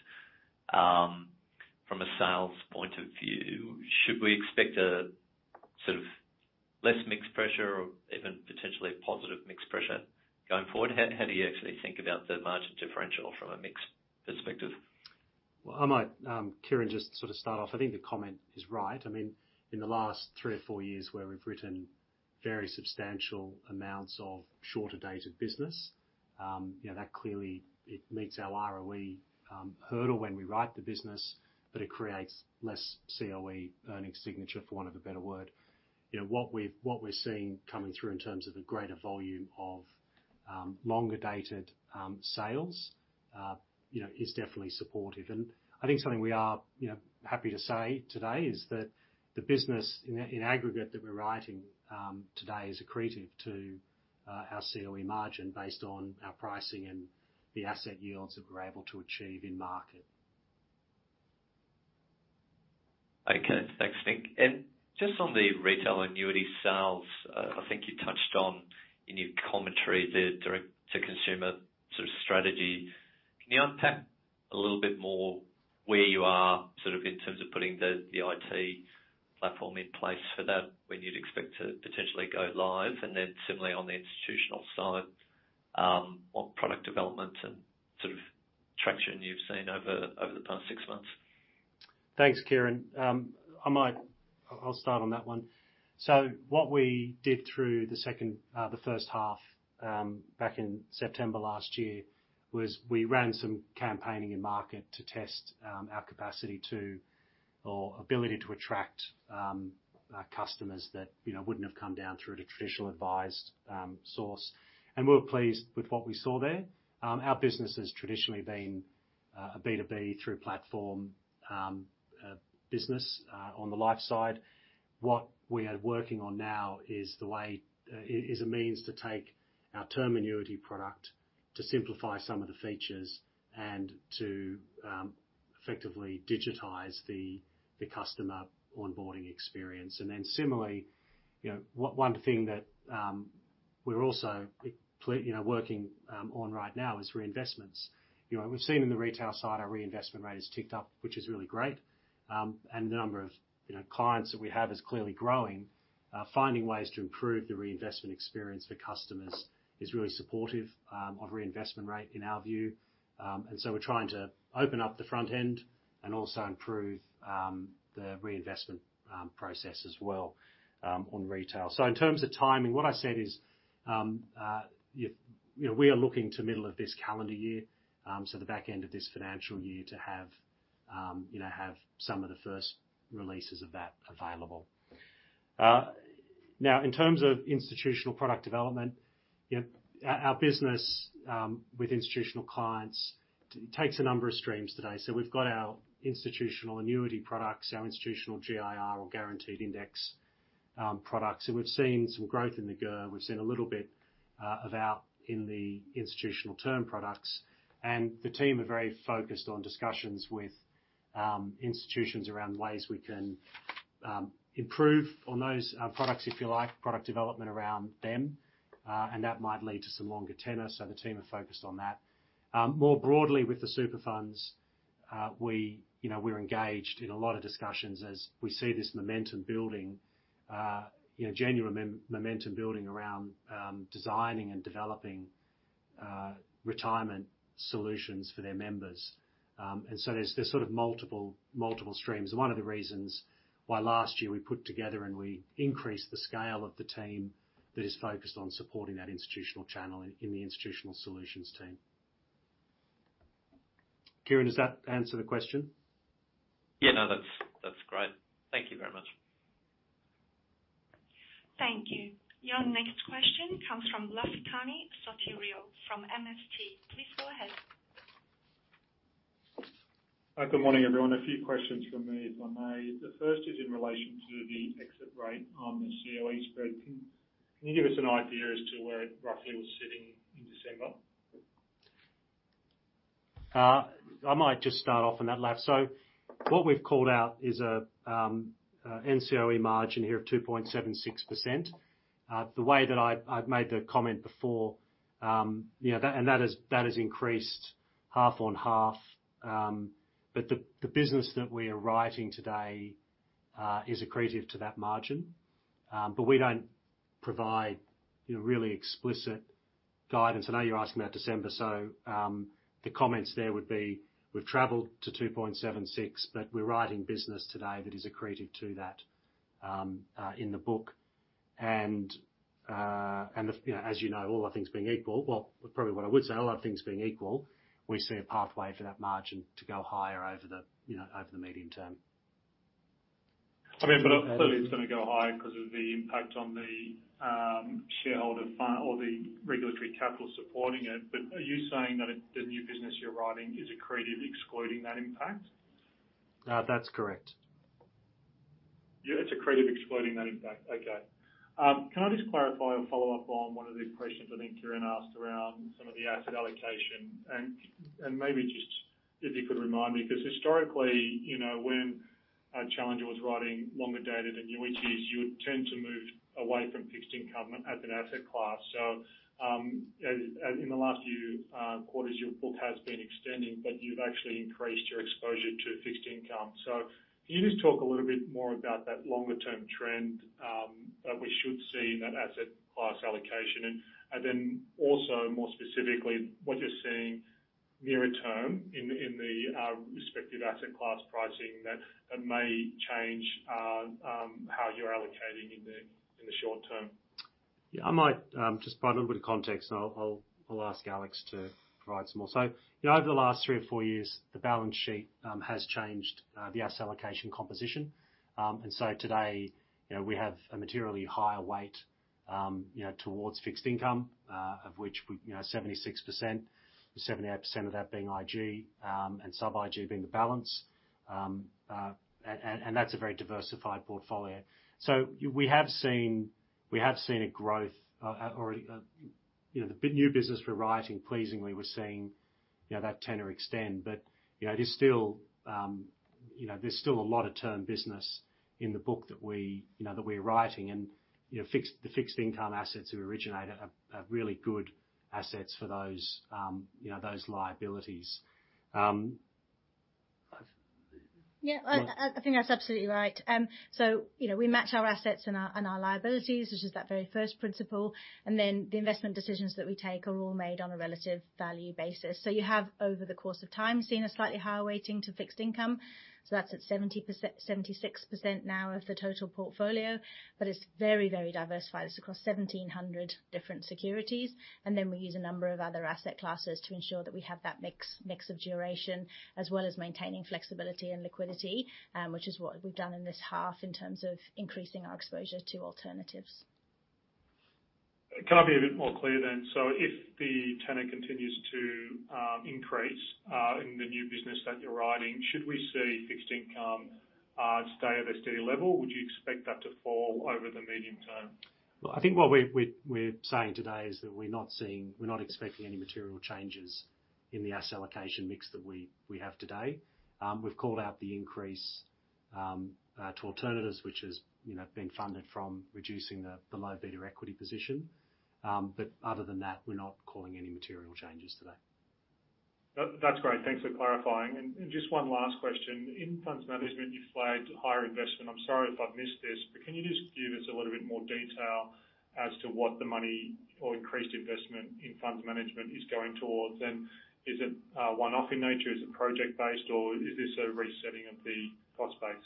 from a sales point of view, should we expect a sort of less mixed pressure or even potentially a positive mixed pressure going forward? How do you actually think about the margin differential from a mix perspective? Well, I might, Kieren, just sort of start off. I think the comment is right. I mean, in the last three or four years where we've written very substantial amounts of shorter dated business, you know, that clearly it meets our ROE hurdle when we write the business, but it creates less COE earning signature, for want of a better word. You know, what we've, what we're seeing coming through in terms of the greater volume of longer-dated sales, you know, is definitely supportive. I think something we are, you know, happy to say today is that the business in aggregate that we're writing today is accretive to our COE margin based on our pricing and the asset yields that we're able to achieve in market. Okay. Thanks, Nick. Just on the retail annuity sales, I think you touched on in your commentary the direct to consumer sort of strategy. Can you unpack a little bit more where you are sort of in terms of putting the IT platform in place for that, when you'd expect to potentially go live? Similarly on the institutional side, what product development and sort of traction you've seen over the past six months? Thanks, Kieran. I'll start on that one. What we did through the first half, back in September last year, was we ran some campaigning in market to test our capacity to or ability to attract our customers that, you know, wouldn't have come down through the traditional advised source. We were pleased with what we saw there. Our business has traditionally been a B2B through platform business on the life side. What we are working on now is the way, is a means to take our term annuity product to simplify some of the features and to effectively digitize the customer onboarding experience. Similarly, you know, one thing that we're also you know, working on right now is reinvestments. You know, we've seen in the retail side, our reinvestment rate has ticked up, which is really great. The number of, you know, clients that we have is clearly growing. Finding ways to improve the reinvestment experience for customers is really supportive of reinvestment rate in our view. We're trying to open up the front end and also improve the reinvestment process as well on retail. In terms of timing, what I said is, you know, we are looking to middle of this calendar year, so the back end of this financial year to have, you know, have some of the first releases of that available. In terms of institutional product development, you know, our business with institutional clients takes a number of streams today. We've got our institutional annuity products, our institutional GIR or guaranteed index products, and we've seen some growth in the GIR. We've seen a little bit in the institutional term products. The team are very focused on discussions with institutions around ways we can improve on those products, if you like, product development around them. That might lead to some longer tenor. The team are focused on that. More broadly with the super funds, we, you know, we're engaged in a lot of discussions as we see this momentum building, you know, genuine momentum building around designing and developing retirement solutions for their members. There's, there's sort of multiple streams. One of the reasons why last year we put together and we increased the scale of the team that is focused on supporting that institutional channel in the institutional solutions team. Kieren, does that answer the question? Yeah. No, that's great. Thank you very much. Thank you. Your next question comes from Lafitani Sotiriou from MST. Please go ahead. Good morning, everyone. A few questions from me, if I may. The first is in relation to the exit rate on the COE spread. Can you give us an idea as to where it roughly was sitting in December? I might just start off on that, Laf. What we've called out is a NCOE margin here of 2.76%. The way that I've made the comment before, you know, that. That has increased half on half, but the business that we're writing today is accretive to that margin, but we don't provide, you know, really explicit guidance. I know you're asking about December, the comments there would be, we've traveled to 2.76%, but we're writing business today that is accretive to that in the book. You know, as you know, all other things being equal. Well, probably what I would say, a lot of things being equal, we see a pathway for that margin to go higher over the, you know, over the medium term. I mean, clearly it's gonna go higher 'cause of the impact on the, or the regulatory capital supporting it. Are you saying that it, the new business you're writing is accretive excluding that impact? That's correct. Yeah, it's accretive excluding that impact. Okay. Can I just clarify or follow up on one of the questions I think Kieren asked around some of the asset allocation? Maybe just if you could remind me, 'cause historically, you know, when a Challenger was writing longer data than new issues, you would tend to move away from fixed income as an asset class. As in the last few quarters, your book has been extending, but you've actually increased your exposure to fixed income. Can you just talk a little bit more about that longer term trend that we should see in that asset class allocation? Then also more specifically, what you're seeing nearer term in the respective asset class pricing that may change how you're allocating in the short term. Yeah, I might just provide a little bit of context and I'll ask Alex to provide some more. You know, over the last three or four years, the balance sheet has changed the asset allocation composition. Today, you know, we have a materially higher weight, you know, towards fixed income, of which we, you know, 76%, 78% of that being IG, and sub-IG being the balance. That's a very diversified portfolio. We have seen a growth or, you know, the new business we're writing pleasingly, we're seeing, you know, that tenor extend. You know, it is still, you know, there's still a lot of term business in the book that we, you know, that we're writing and, you know, fixed, the fixed income assets we originated are really good assets for those, you know, those liabilities. Yeah, I think that's absolutely right. You know, we match our assets and our liabilities, which is that very first principle, the investment decisions that we take are all made on a relative value basis. You have, over the course of time, seen a slightly higher weighting to fixed income. That's at 76% now of the total portfolio, but it's very, very diversified. It's across 1,700 different securities. We use a number of other asset classes to ensure that we have that mix of duration, as well as maintaining flexibility and liquidity, which is what we've done in this half in terms of increasing our exposure to alternatives. Can I be a bit more clear then? If the tenor continues to increase in the new business that you're writing, should we see fixed income stay at a steady level? Would you expect that to fall over the medium term? Well, I think what we're saying today is that we're not seeing, we're not expecting any material changes in the asset allocation mix that we have today. We've called out the increase to alternatives, which is, you know, being funded from reducing the low beta equity position. Other than that, we're not calling any material changes today. That's great. Thanks for clarifying. Just one last question. In funds management, you flagged higher investment. I'm sorry if I've missed this, but can you just give us a little bit more detail as to what the money or increased investment in funds management is going towards? Is it one-off in nature? Is it project based, or is this a resetting of the cost base?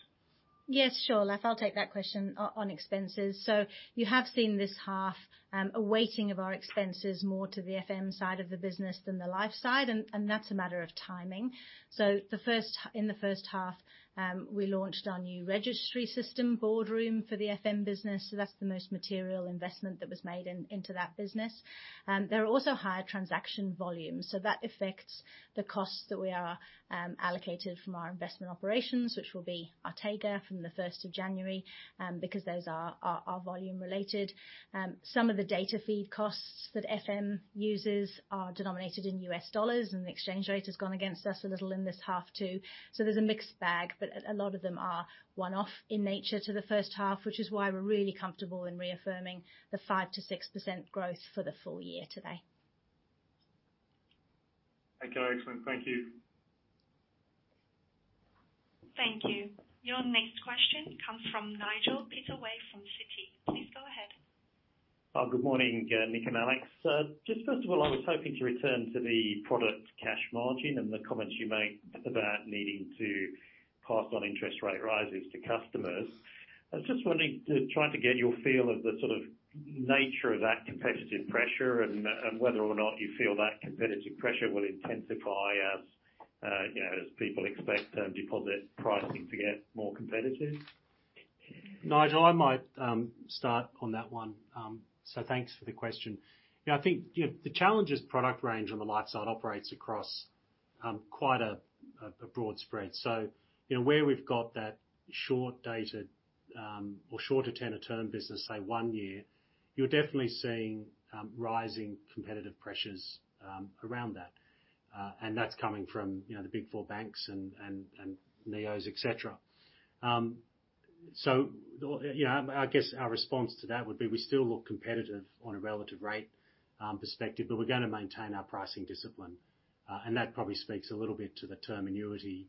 Yes, sure, Laf. I'll take that question on expenses. You have seen this half, a weighting of our expenses more to the FM side of the business than the life side, and that's a matter of timing. The first, in the first half, we launched our new registry system Boardroom for the FM business. That's the most material investment that was made into that business. There are also higher transaction volumes. That affects the costs that we are allocated from our investment operations, which will be Artega from the 1st of January, because those are volume related. Some of the data feed costs that FM uses are denominated in U.S. dollars, and the exchange rate has gone against us a little in this half too. There's a mixed bag, but a lot of them are one-off in nature to the first half, which is why we're really comfortable in reaffirming the 5%-6% growth for the full year today. Okay, excellent. Thank you. Thank you. Your next question comes from Nigel Pittaway from Citi. Please go ahead. Good morning, Nick and Alex. Just first of all, I was hoping to return to the product cash margin and the comments you made about needing to pass on interest rate rises to customers. I was just wanting to try to get your feel of the sort of nature of that competitive pressure and whether or not you feel that competitive pressure will intensify as, you know, as people expect, deposit pricing to get more competitive? Nigel, I might start on that one. Thanks for the question. You know, I think, you know, Challenger's product range on the life side operates across quite a broad spread. You know, where we've got that short dated or shorter tenor term business, say one year, you're definitely seeing rising competitive pressures around that. And that's coming from, you know, the big four banks and NEOS, et cetera. You know, I guess our response to that would be we still look competitive on a relative rate perspective, but we're gonna maintain our pricing discipline. And that probably speaks a little bit to the term annuity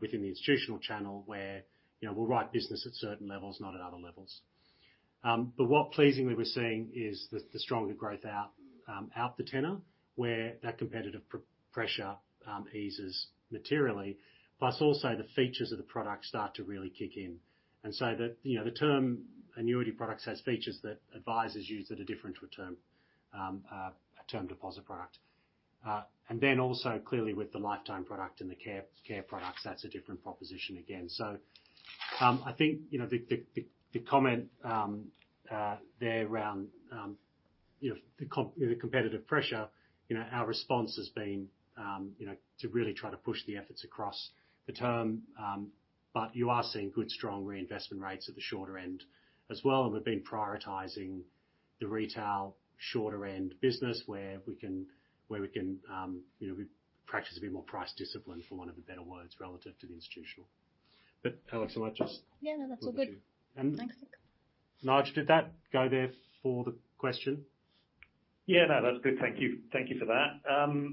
within the institutional channel where, you know, we'll write business at certain levels, not at other levels. What pleasingly we're seeing is the stronger growth out out the tenor where that competitive pressure eases materially, plus also the features of the product start to really kick in. You know, the term annuity products has features that advisors use that are different to a term a term deposit product. Then also clearly with the lifetime product and the care products, that's a different proposition again. I think, you know, the comment there around, you know, the competitive pressure, you know, our response has been, you know, to really try to push the efforts across the term. You are seeing good, strong reinvestment rates at the shorter end as well, and we've been prioritizing the retail shorter end business where we can, you know, practice a bit more price discipline, for want of a better word, relative to the institutional. Alex, I might just. Yeah, no, that's all good. And. Thanks. Nigel, did that go there for the question? Yeah. No, that's good. Thank you. Thank you for that.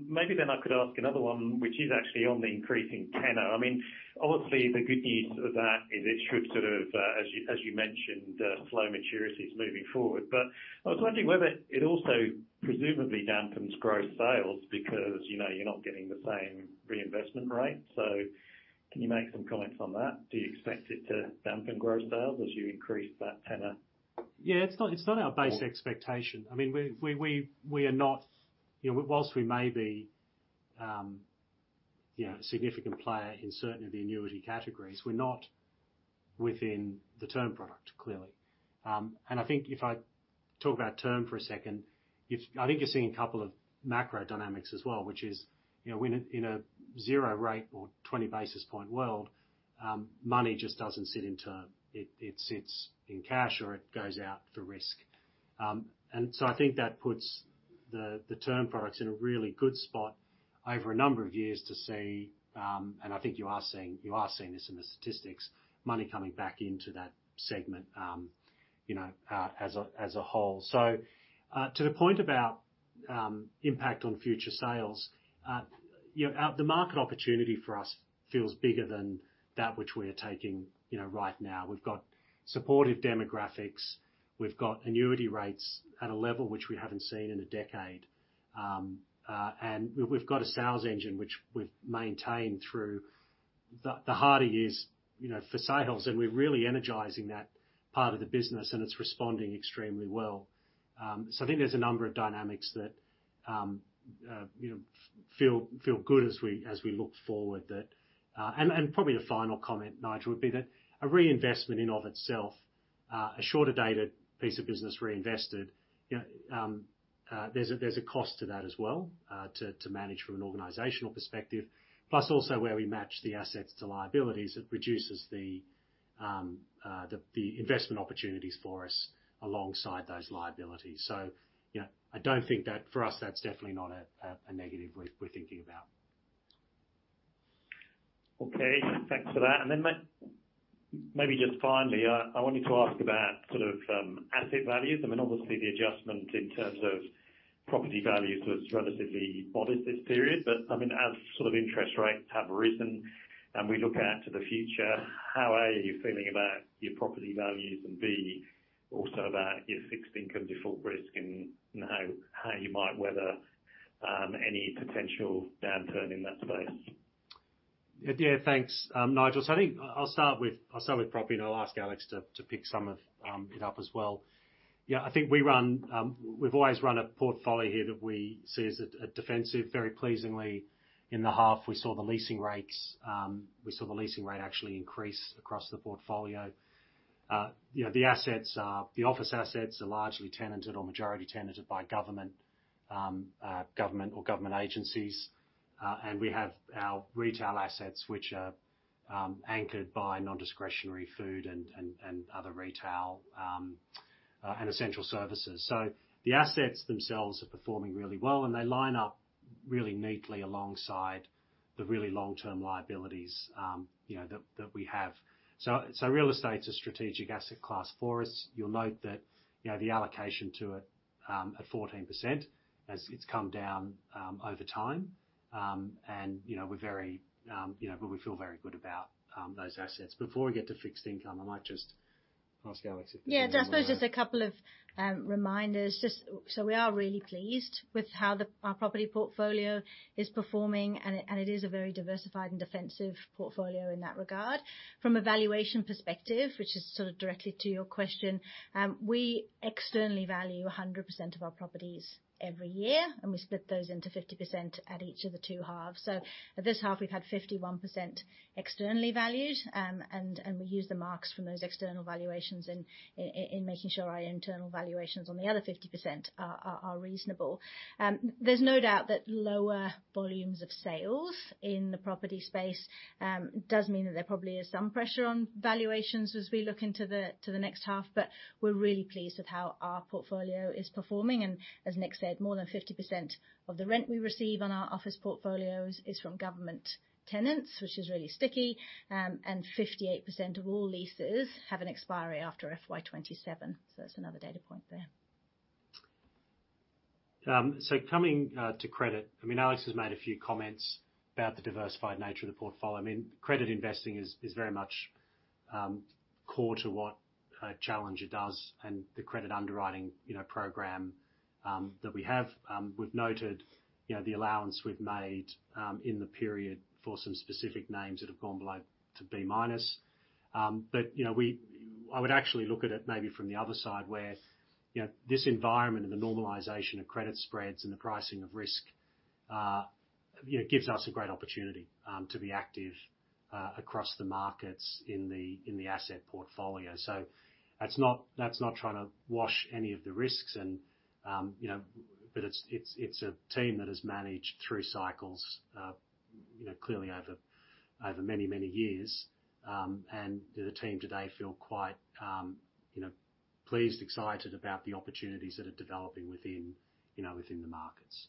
Maybe then I could ask another one which is actually on the increasing tenor. I mean, obviously the good news of that is it should sort of, as you mentioned, slow maturities moving forward. I was wondering whether it also presumably dampens growth sales because, you know, you're not getting the same reinvestment rate. Can you make some comments on that? Do you expect it to dampen growth sales as you increase that tenor? Yeah. It's not our base expectation. I mean, we are not. You know, whilst we may be, you know, a significant player in certain of the annuity categories, we're not within the term product, clearly. I think if I talk about term for a second, I think you're seeing a couple of macro dynamics as well, which is, you know, when in a zero rate or 20 basis point world, money just doesn't sit in term. It sits in cash or it goes out to risk. I think that puts the term products in a really good spot over a number of years to see, I think you are seeing this in the statistics, money coming back into that segment, you know, as a whole. To the point about impact on future sales, you know, the market opportunity for us feels bigger than that which we are taking, you know, right now. We've got supportive demographics. We've got annuity rates at a level which we haven't seen in a decade. We've got a sales engine which we've maintained through the harder years, you know, for sales, and we're really energizing that part of the business and it's responding extremely well. I think there's a number of dynamics that, you know, feel good as we look forward that. Probably the final comment, Nigel, would be that a reinvestment in and of itself, a shorter dated piece of business reinvested, you know, there's a cost to that as well, to manage from an organizational perspective. Plus also where we match the assets to liabilities, it reduces the investment opportunities for us alongside those liabilities. You know, I don't think that. For us, that's definitely not a negative we're thinking about. Okay. Thanks for that. Maybe just finally, I wanted to ask about sort of asset values. I mean, obviously the adjustment in terms of property values was relatively modest this period, but I mean, as sort of interest rates have risen and we look out to the future, how, A, are you feeling about your property values and, B, also about your fixed income default risk and how you might weather any potential downturn in that space? Thanks, Nigel. I think I'll start with property and I'll ask Alex to pick some of it up as well. I think we run, we've always run a portfolio here that we see as a defensive very pleasingly. In the half, we saw the leasing rate actually increase across the portfolio. You know, the office assets are largely tenanted or majority tenanted by government or government agencies. And we have our retail assets which are anchored by non-discretionary food and other retail and essential services. The assets themselves are performing really well, and they line up really neatly alongside the really long-term liabilities, you know, that we have. Real estate's a strategic asset class for us. You'll note that, you know, the allocation to it, at 14% as it's come down, over time. You know, we're very, you know, but we feel very good about, those assets. Before we get to fixed income, I might just ask Alex if she wants to. I suppose just a couple of reminders. We are really pleased with how our property portfolio is performing and it is a very diversified and defensive portfolio in that regard. From a valuation perspective, which is sort of directly to your question, we externally value 100% of our properties every year, and we split those into 50% at each of the two halves. At this half we've had 51% externally valued, and we use the marks from those external valuations in making sure our internal valuations on the other 50% are reasonable. There's no doubt that lower volumes of sales in the property space does mean that there probably is some pressure on valuations as we look into the next half. We're really pleased with how our portfolio is performing, and as Nick said, more than 50% of the rent we receive on our office portfolios is from government tenants, which is really sticky. 58% of all leases have an expiry after FY 2027. That's another data point there. Coming to credit, I mean, Alex has made a few comments about the diversified nature of the portfolio. I mean, credit investing is very much core to what Challenger does and the credit underwriting, you know, program that we have. We've noted, you know, the allowance we've made in the period for some specific names that have gone below to B-. You know, I would actually look at it maybe from the other side where, you know, this environment and the normalization of credit spreads and the pricing of risk, you know, gives us a great opportunity to be active across the markets in the asset portfolio. That's not trying to wash any of the risks and, you know. It's a team that has managed through cycles, you know, clearly over many years. The team today feel quite, you know, pleased, excited about the opportunities that are developing within, you know, within the markets.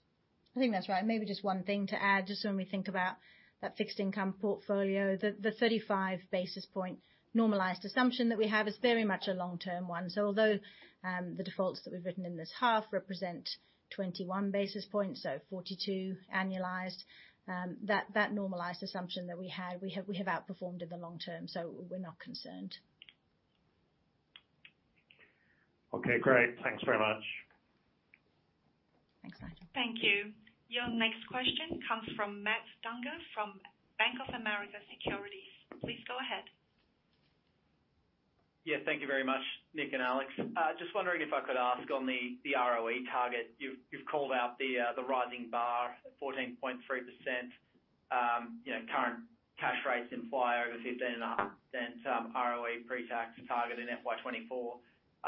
I think that's right. Maybe just one thing to add, just when we think about that fixed income portfolio. The 35 basis point normalized assumption that we have is very much a long-term one. Although, the defaults that we've written in this half represent 21 basis points, so 42 annualized, that normalized assumption that we had, we have outperformed in the long term. We're not concerned. Okay, great. Thanks very much. Thanks, Matthew. Thank you. Your next question comes from Matt Dunger from Bank of America Securities. Please go ahead. Yeah, thank you very much, Nick and Alex. Just wondering if I could ask on the ROE target. You've called out the rising bar, 14.3%. You know, current cash rates imply over 15.5%, ROE pre-tax target in FY 2024.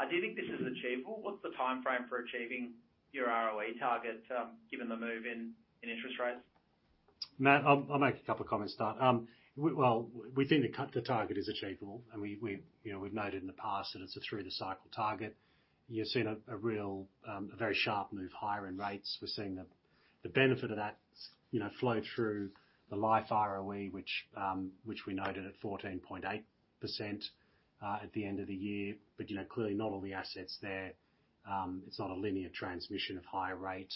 Do you think this is achievable? What's the timeframe for achieving your ROE target, given the move in interest rates? Matt, I'll make a couple comments to that. Well, we think the target is achievable, and we, you know, we've noted in the past that it's a through the cycle target. You've seen a real, a very sharp move higher in rates. We're seeing the benefit of that, you know, flow through the life ROE, which we noted at 14.8% at the end of the year. Clearly not all the assets there. It's not a linear transmission of higher rate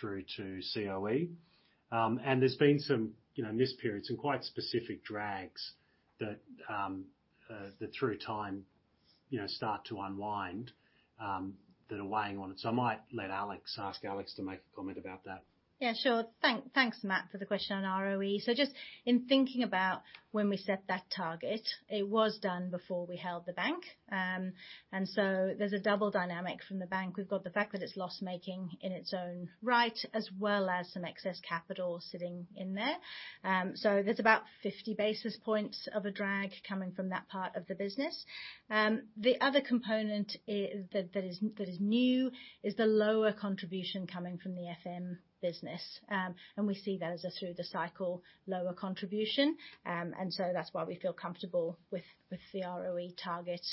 through to COE. There's been some, you know, in this period, some quite specific drags that through time, you know, start to unwind that are weighing on it. I might ask Alex to make a comment about that. Yeah, sure. Thanks Matt for the question on ROE. Just in thinking about when we set that target, it was done before we held the bank. There's a double dynamic from the bank. We've got the fact that it's loss-making in its own right, as well as some excess capital sitting in there. There's about 50 basis points of a drag coming from that part of the business. The other component that is new is the lower contribution coming from the FM business. We see that as a through the cycle lower contribution. That's why we feel comfortable with the ROE target.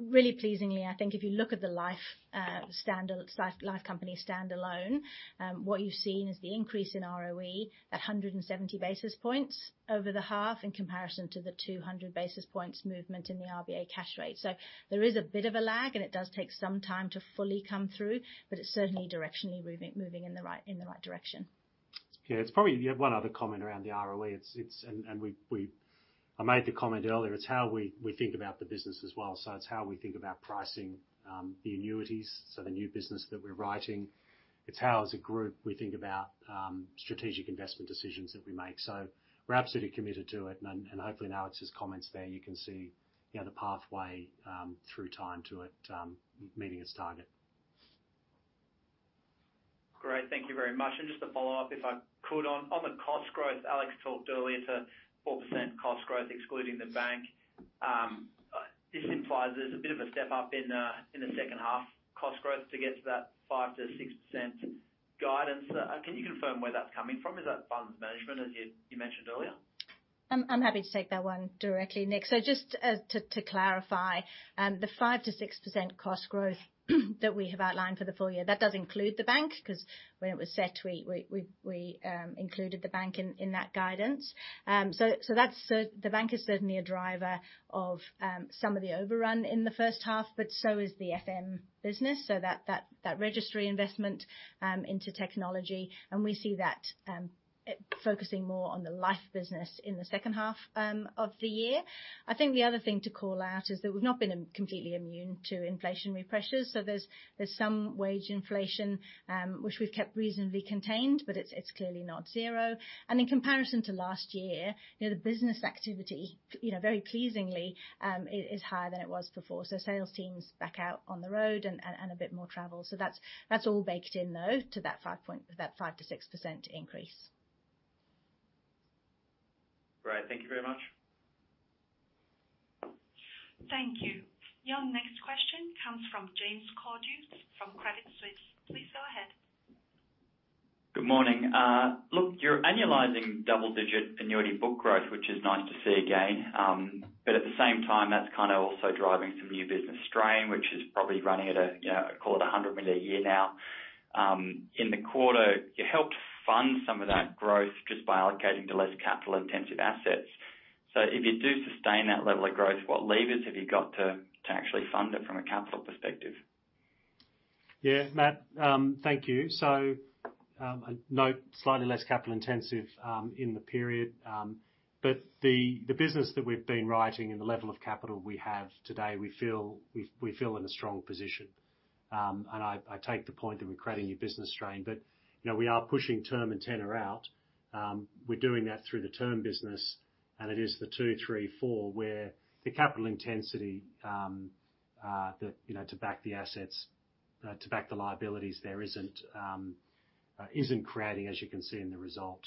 Really pleasingly, I think if you look at the life, standard life, Life Company standalone, what you've seen is the increase in ROE at 170 basis points over the half in comparison to the 200 basis points movement in the RBA cash rate. There is a bit of a lag, and it does take some time to fully come through, but it's certainly directionally moving in the right, in the right direction. It's probably one other comment around the ROE. It's And we I made the comment earlier. It's how we think about the business as well. It's how we think about pricing, the annuities, so the new business that we're writing. It's how, as a group, we think about, strategic investment decisions that we make. We're absolutely committed to it. Hopefully now it's just comments there. You can see, you know, the pathway, through time to it, meeting its target. Great. Thank you very much. Just to follow up, if I could on the cost growth. Alex talked earlier to 4% cost growth, excluding the bank. This implies there's a bit of a step up in the second half cost growth to get to that 5%-6% guidance. Can you confirm where that's coming from? Is that funds management, as you mentioned earlier? I'm happy to take that one directly, Nick. Just to clarify, the 5%-6% cost growth that we have outlined for the full year, that does include the bank, 'cause when it was set, we included the bank in that guidance. The bank is certainly a driver of some of the overrun in the first half, but so is the FM business. That registry investment into technology, and we see that focusing more on the Life business in the second half of the year. I think the other thing to call out is that we've not been completely immune to inflationary pressures. There's some wage inflation which we've kept reasonably contained, but it's clearly not zero. In comparison to last year, you know, the business activity, you know, very pleasingly, is higher than it was before. Sales teams back out on the road and a bit more travel. That's all baked in, though, to that 5%-6% increase. Great. Thank you very much. Thank you. Your next question comes from James Cordukes from Credit Suisse. Please go ahead. Good morning. Look, you're annualizing double-digit annuity book growth, which is nice to see again. At the same time, that's kind of also driving some new business strain, which is probably running at a, you know, I call it 100 million a year now. In the quarter, you helped fund some of that growth just by allocating to less capital-intensive assets. If you do sustain that level of growth, what levers have you got to actually fund it from a capital perspective? Yeah, Matt, thank you. Note slightly less capital intensive in the period. The business that we've been writing and the level of capital we have today, we feel in a strong position. I take the point that we're creating new business strain. You know, we are pushing term and tenor out. We're doing that through the term business, and it is the 234 where the capital intensity that, you know, to back the assets, to back the liabilities there isn't creating, as you can see in the result,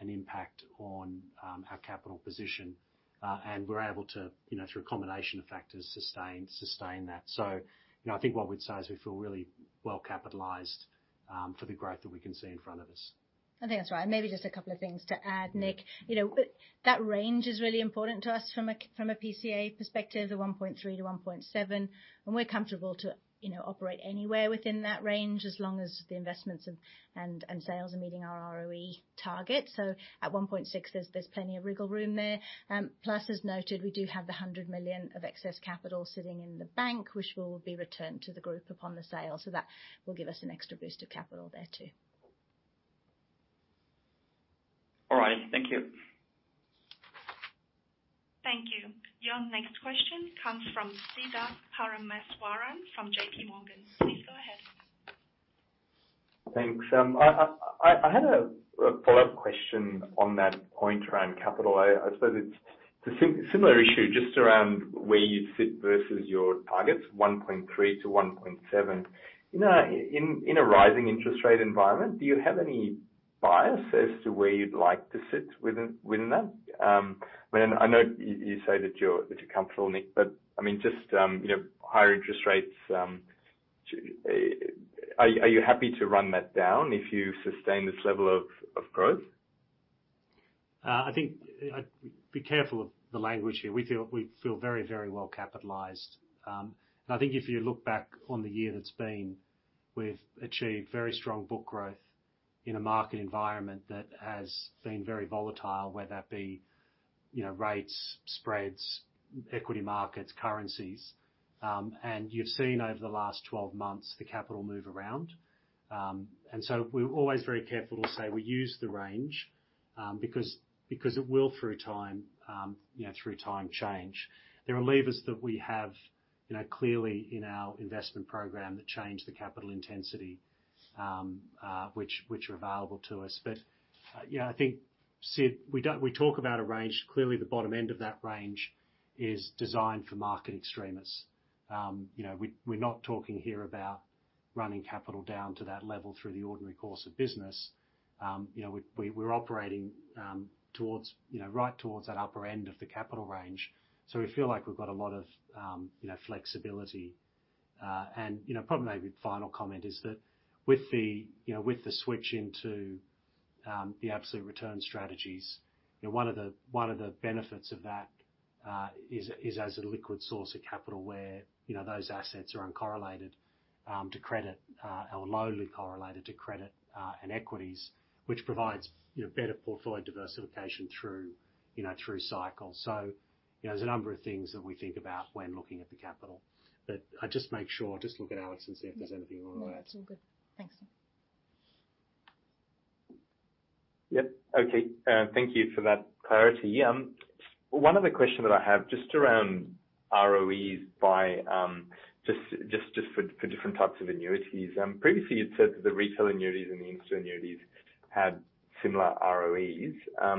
an impact on our capital position. We're able to, you know, through a combination of factors, sustain that. You know, I think what we'd say is we feel really well capitalized, for the growth that we can see in front of us. I think that's right. Maybe just a couple of things to add, Nick. You know, that range is really important to us from a PCA perspective, the 1.3-1.7. We're comfortable to, you know, operate anywhere within that range as long as the investments and sales are meeting our ROE target. At 1.6, there's plenty of wiggle room there. Plus, as noted, we do have the 100 million of excess capital sitting in the bank, which will be returned to the group upon the sale. That will give us an extra boost of capital there too. All right, thank you. Thank you. Your next question comes from Siddharth Parameswaran from JPMorgan. Please go ahead. Thanks. I had a follow-up question on that point around capital. I suppose it's a similar issue just around where you'd sit versus your targets 1.3-1.7. You know, in a rising interest rate environment, do you have any bias as to where you'd like to sit within that? I mean, I know you say that you're comfortable, Nick, but I mean, just, you know, higher interest rates, are you happy to run that down if you sustain this level of growth? I think I'd be careful of the language here. We feel very, very well capitalized. I think if you look back on the year that's been, we've achieved very strong book growth in a market environment that has been very volatile, whether that be, you know, rates, spreads, equity markets, currencies. You've seen over the last 12 months the capital move around. So we're always very careful to say we use the range, because it will through time, you know, through time change. There are levers that we have, you know, clearly in our investment program that change the capital intensity, which are available to us. Yeah, I think, Sid, we talk about a range. Clearly, the bottom end of that range is designed for market extremists. You know, we're not talking here about running capital down to that level through the ordinary course of business. You know, we're operating towards, you know, right towards that upper end of the capital range. We feel like we've got a lot of, you know, flexibility. You know, probably maybe final comment is that with the, you know, with the switch into the absolute return strategies, you know, one of the benefits of that is as a liquid source of capital where, you know, those assets are uncorrelated to credit or lowly correlated to credit and equities, which provides, you know, better portfolio diversification through, you know, through cycles. You know, there's a number of things that we think about when looking at the capital. I just make sure, just look at Alex and see if there's anything you want to add? No, it's all good. Thanks. Yep. Okay. Thank you for that clarity. One other question that I have just around ROEs by, just for different types of annuities. Previously you'd said that the retail annuities and the insta annuities had similar ROEs. I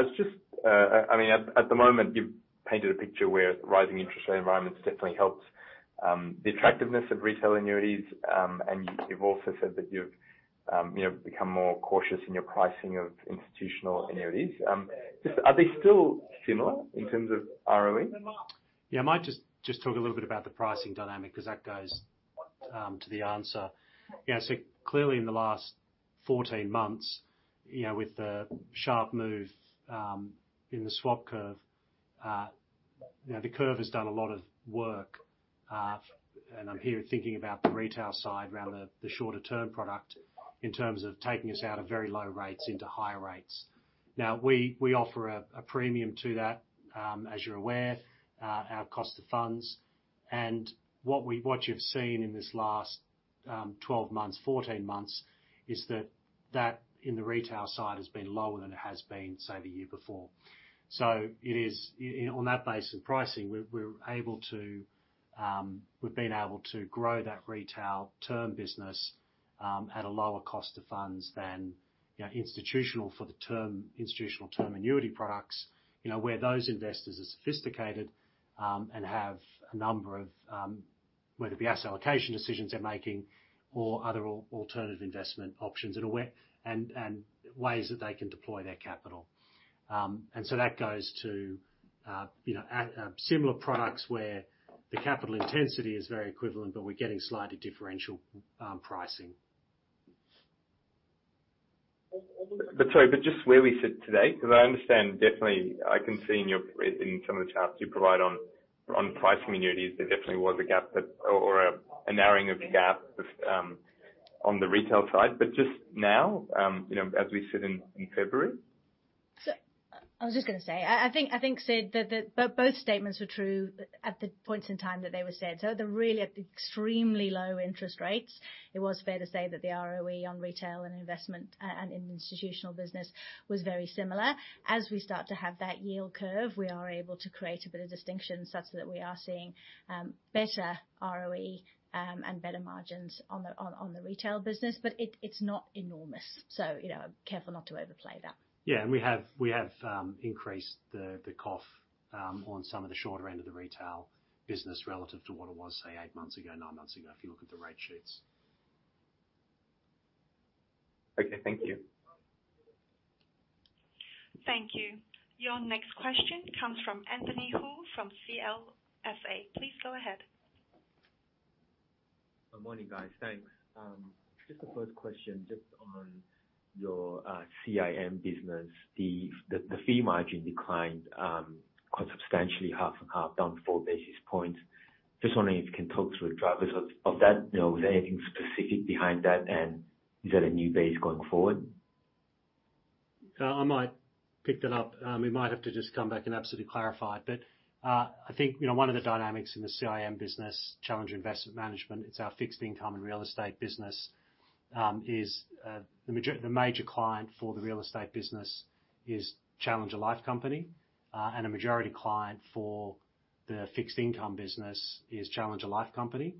was just, I mean, at the moment, you've painted a picture where rising interest rate environments definitely helped the attractiveness of retail annuities. You've also said that you've, you know, become more cautious in your pricing of institutional annuities. Just are they still similar in terms of ROE? Yeah, I might just talk a little bit about the pricing dynamic because that goes to the answer. Yeah. Clearly, in the last 14 months, you know, with the sharp move in the swap curve, you know, the curve has done a lot of work. And I'm here thinking about the retail side around the shorter term product in terms of taking us out of very low rates into higher rates. Now we offer a premium to that, as you're aware, our cost of funds. What you've seen in this last 12 months, 14 months, is that that in the retail side has been lower than it has been, say, the year before. It is, you know, on that base of pricing, we're able to, we've been able to grow that retail term business, at a lower cost of funds than, you know, institutional for the term, institutional term annuity products. You know, where those investors are sophisticated, and have a number of, whether it be asset allocation decisions they're making or other alternative investment options in a way, and ways that they can deploy their capital. That goes to, you know, similar products where the capital intensity is very equivalent, but we're getting slightly differential pricing. Sorry, just where we sit today, because I understand definitely I can see in your, in some of the charts you provide on pricing annuities, there definitely was a gap that or a narrowing of the gap with, on the retail side, just now, you know, as we sit in February. I was just going to say, I think, Sid, that both statements were true at the points in time that they were said. They're really at extremely low interest rates. It was fair to say that the ROE on retail and investment and in institutional business was very similar. As we start to have that yield curve, we are able to create a bit of distinction such that we are seeing better ROE and better margins on the retail business. It's not enormous. You know, careful not to overplay that. Yeah. We have increased the cough on some of the shorter end of the retail business relative to what it was, say, eight months ago, nine months ago, if you look at the rate sheets. Okay. Thank you. Thank you. Your next question comes from Anthony Hoo from CLSA. Please go ahead. Good morning, guys. Thanks. Just the first question, just on your CIM business. The fee margin declined, quite substantially, half and half down 4 basis points. Just wondering if you can talk through the drivers of that. You know, was there anything specific behind that, and is that a new base going forward? I might pick that up. We might have to just come back and absolutely clarify. I think, you know, one of the dynamics in the CIM business, Challenger Investment Management, it's our fixed income and real estate business, is the major client for the real estate business is Challenger Life Company. A majority client for the fixed income business is Challenger Life Company.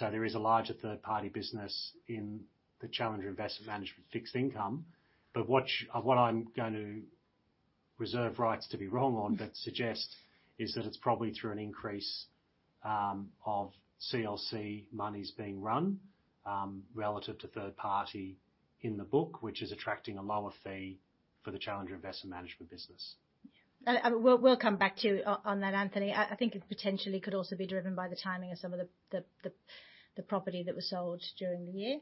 There is a larger third-party business in the Challenger Investment Management fixed income. What I'm going to reserve rights to be wrong on suggest is that it's probably through an increase of CLC monies being run relative to third party in the book, which is attracting a lower fee for the Challenger Investment Management business. We'll come back to on that, Anthony. I think it potentially could also be driven by the timing of some of the property that was sold during the year.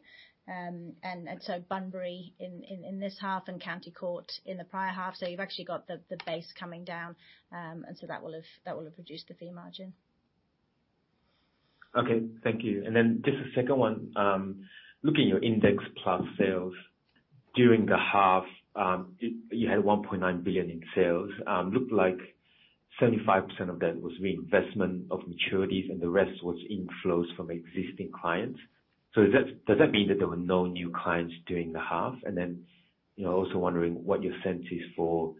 Bunbury in this half and County Court in the prior half, so you've actually got the base coming down. That will have reduced the fee margin. Okay. Thank you. Just the second one. Looking at your Index Plus sales during the half, you had 1.9 billion in sales. Looked like 75% of that was reinvestment of maturities, and the rest was inflows from existing clients. Does that mean that there were no new clients during the half? Then, you know, also wondering what your sense is for,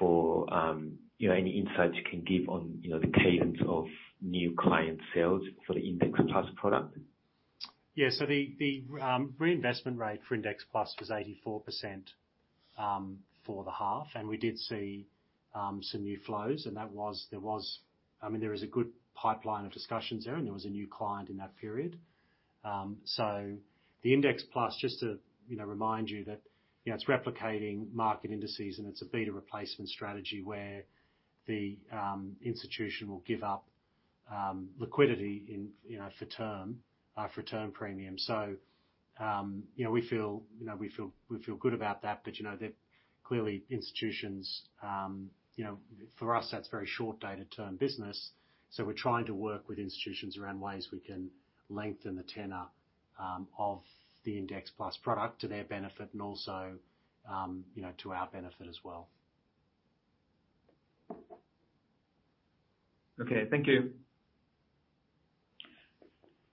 you know, any insights you can give on, you know, the cadence of new client sales for the Index Plus product. The reinvestment rate for Index Plus was 84% for the half. We did see some new flows. I mean, there is a good pipeline of discussions there, and there was a new client in that period. The Index Plus, just to, you know, remind you that, you know, it's replicating market indices, and it's a beta replacement strategy where the institution will give up liquidity in, you know, for term for a term premium. We feel good about that. They're clearly institutions. For us, that's very short-dated term business. We're trying to work with institutions around ways we can lengthen the tenor of the Index Plus product to their benefit and also, you know, to our benefit as well. Okay. Thank you.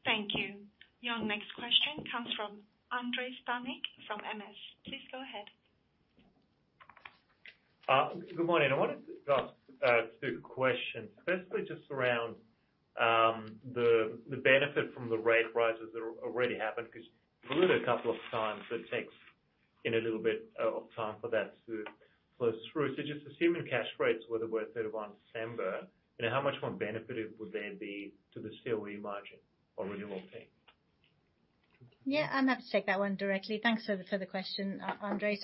Thank you. Your next question comes from Andrei Stadnik from MS. Please go ahead. Good morning. I wanted to ask two questions, firstly just around the benefit from the rate rises that already happened, 'cause you've alluded a couple of times it takes, you know, a little bit of time for that to flow through. Just assuming cash rates were the way they were on December, you know, how much more benefit would there be to the COE margin or renewal fee? Yeah, I'm happy to take that one directly. Thanks for the question, Andrei.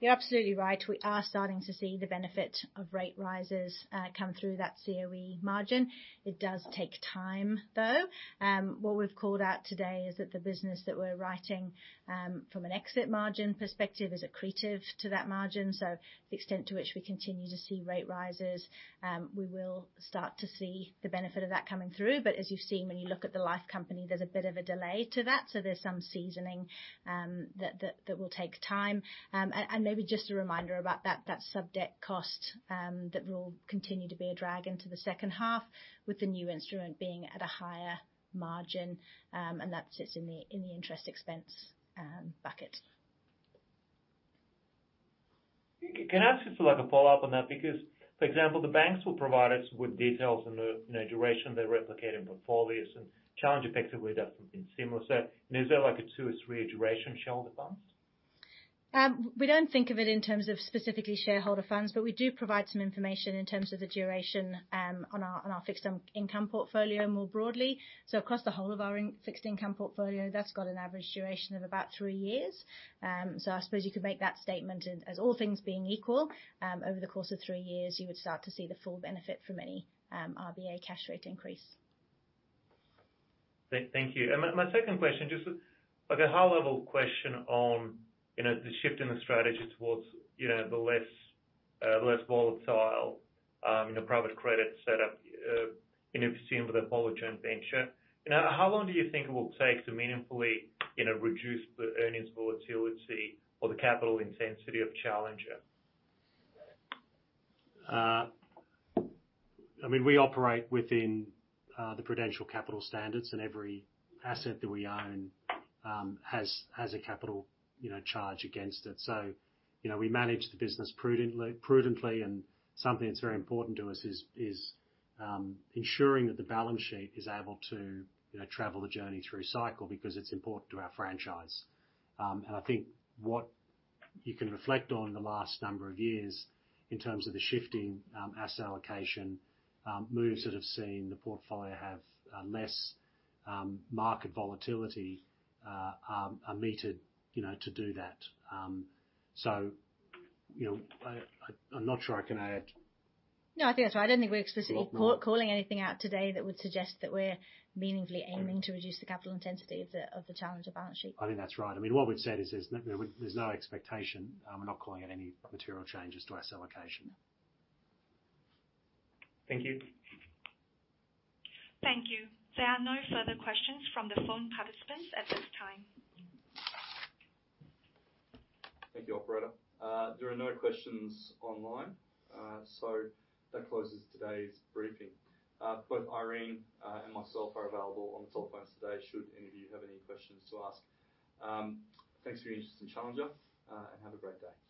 You're absolutely right. We are starting to see the benefit of rate rises come through that COE margin. It does take time, though. What we've called out today is that the business that we're writing from an exit margin perspective is accretive to that margin. The extent to which we continue to see rate rises, we will start to see the benefit of that coming through. As you've seen, when you look at the life company, there's a bit of a delay to that. There's some seasoning that will take time. And maybe just a reminder about that sub debt cost that will continue to be a drag into the second half with the new instrument being at a higher margin. That sits in the, in the interest expense, bucket. Can I ask you for like a follow-up on that? Because, for example, the banks will provide us with details on the, you know, duration they replicate in portfolios and Challenger effectively that has been similar. Is there like a two or three duration shareholder funds? We don't think of it in terms of specifically shareholder funds, but we do provide some information in terms of the duration on our fixed income portfolio more broadly. Across the whole of our fixed income portfolio, that's got an average duration of about three years. I suppose you could make that statement as all things being equal, over the course of three years, you would start to see the full benefit from any RBA cash rate increase. Thank you. My second question, just like a high level question on, you know, the shift in the strategy towards, you know, the less, less volatile, you know, private credit setup, you know, we've seen with the Apollo joint venture. You know, how long do you think it will take to meaningfully, you know, reduce the earnings volatility or the capital intensity of Challenger? I mean, we operate within the Prudential Capital Standards, Every asset that we own has a capital, you know, charge against it. You know, we manage the business prudently, and something that's very important to us is ensuring that the balance sheet is able to, you know, travel the journey through cycle because it's important to our franchise. I think what you can reflect on in the last number of years in terms of the shifting asset allocation moves that have seen the portfolio have less market volatility are meted, you know, to do that. You know, I'm not sure I can add. No, I think that's right. I don't think we're explicitly calling anything out today that would suggest that we're meaningfully aiming to reduce the capital intensity of the Challenger balance sheet. I think that's right. I mean, what we've said is there's no expectation. We're not calling out any material changes to our asset allocation. Thank you. Thank you. There are no further questions from the phone participants at this time. Thank you, operator. There are no questions online. That closes today's briefing. Both Irene and myself are available on the telephones today should any of you have any questions to ask. Thanks for your interest in Challenger and have a great day. Thank you.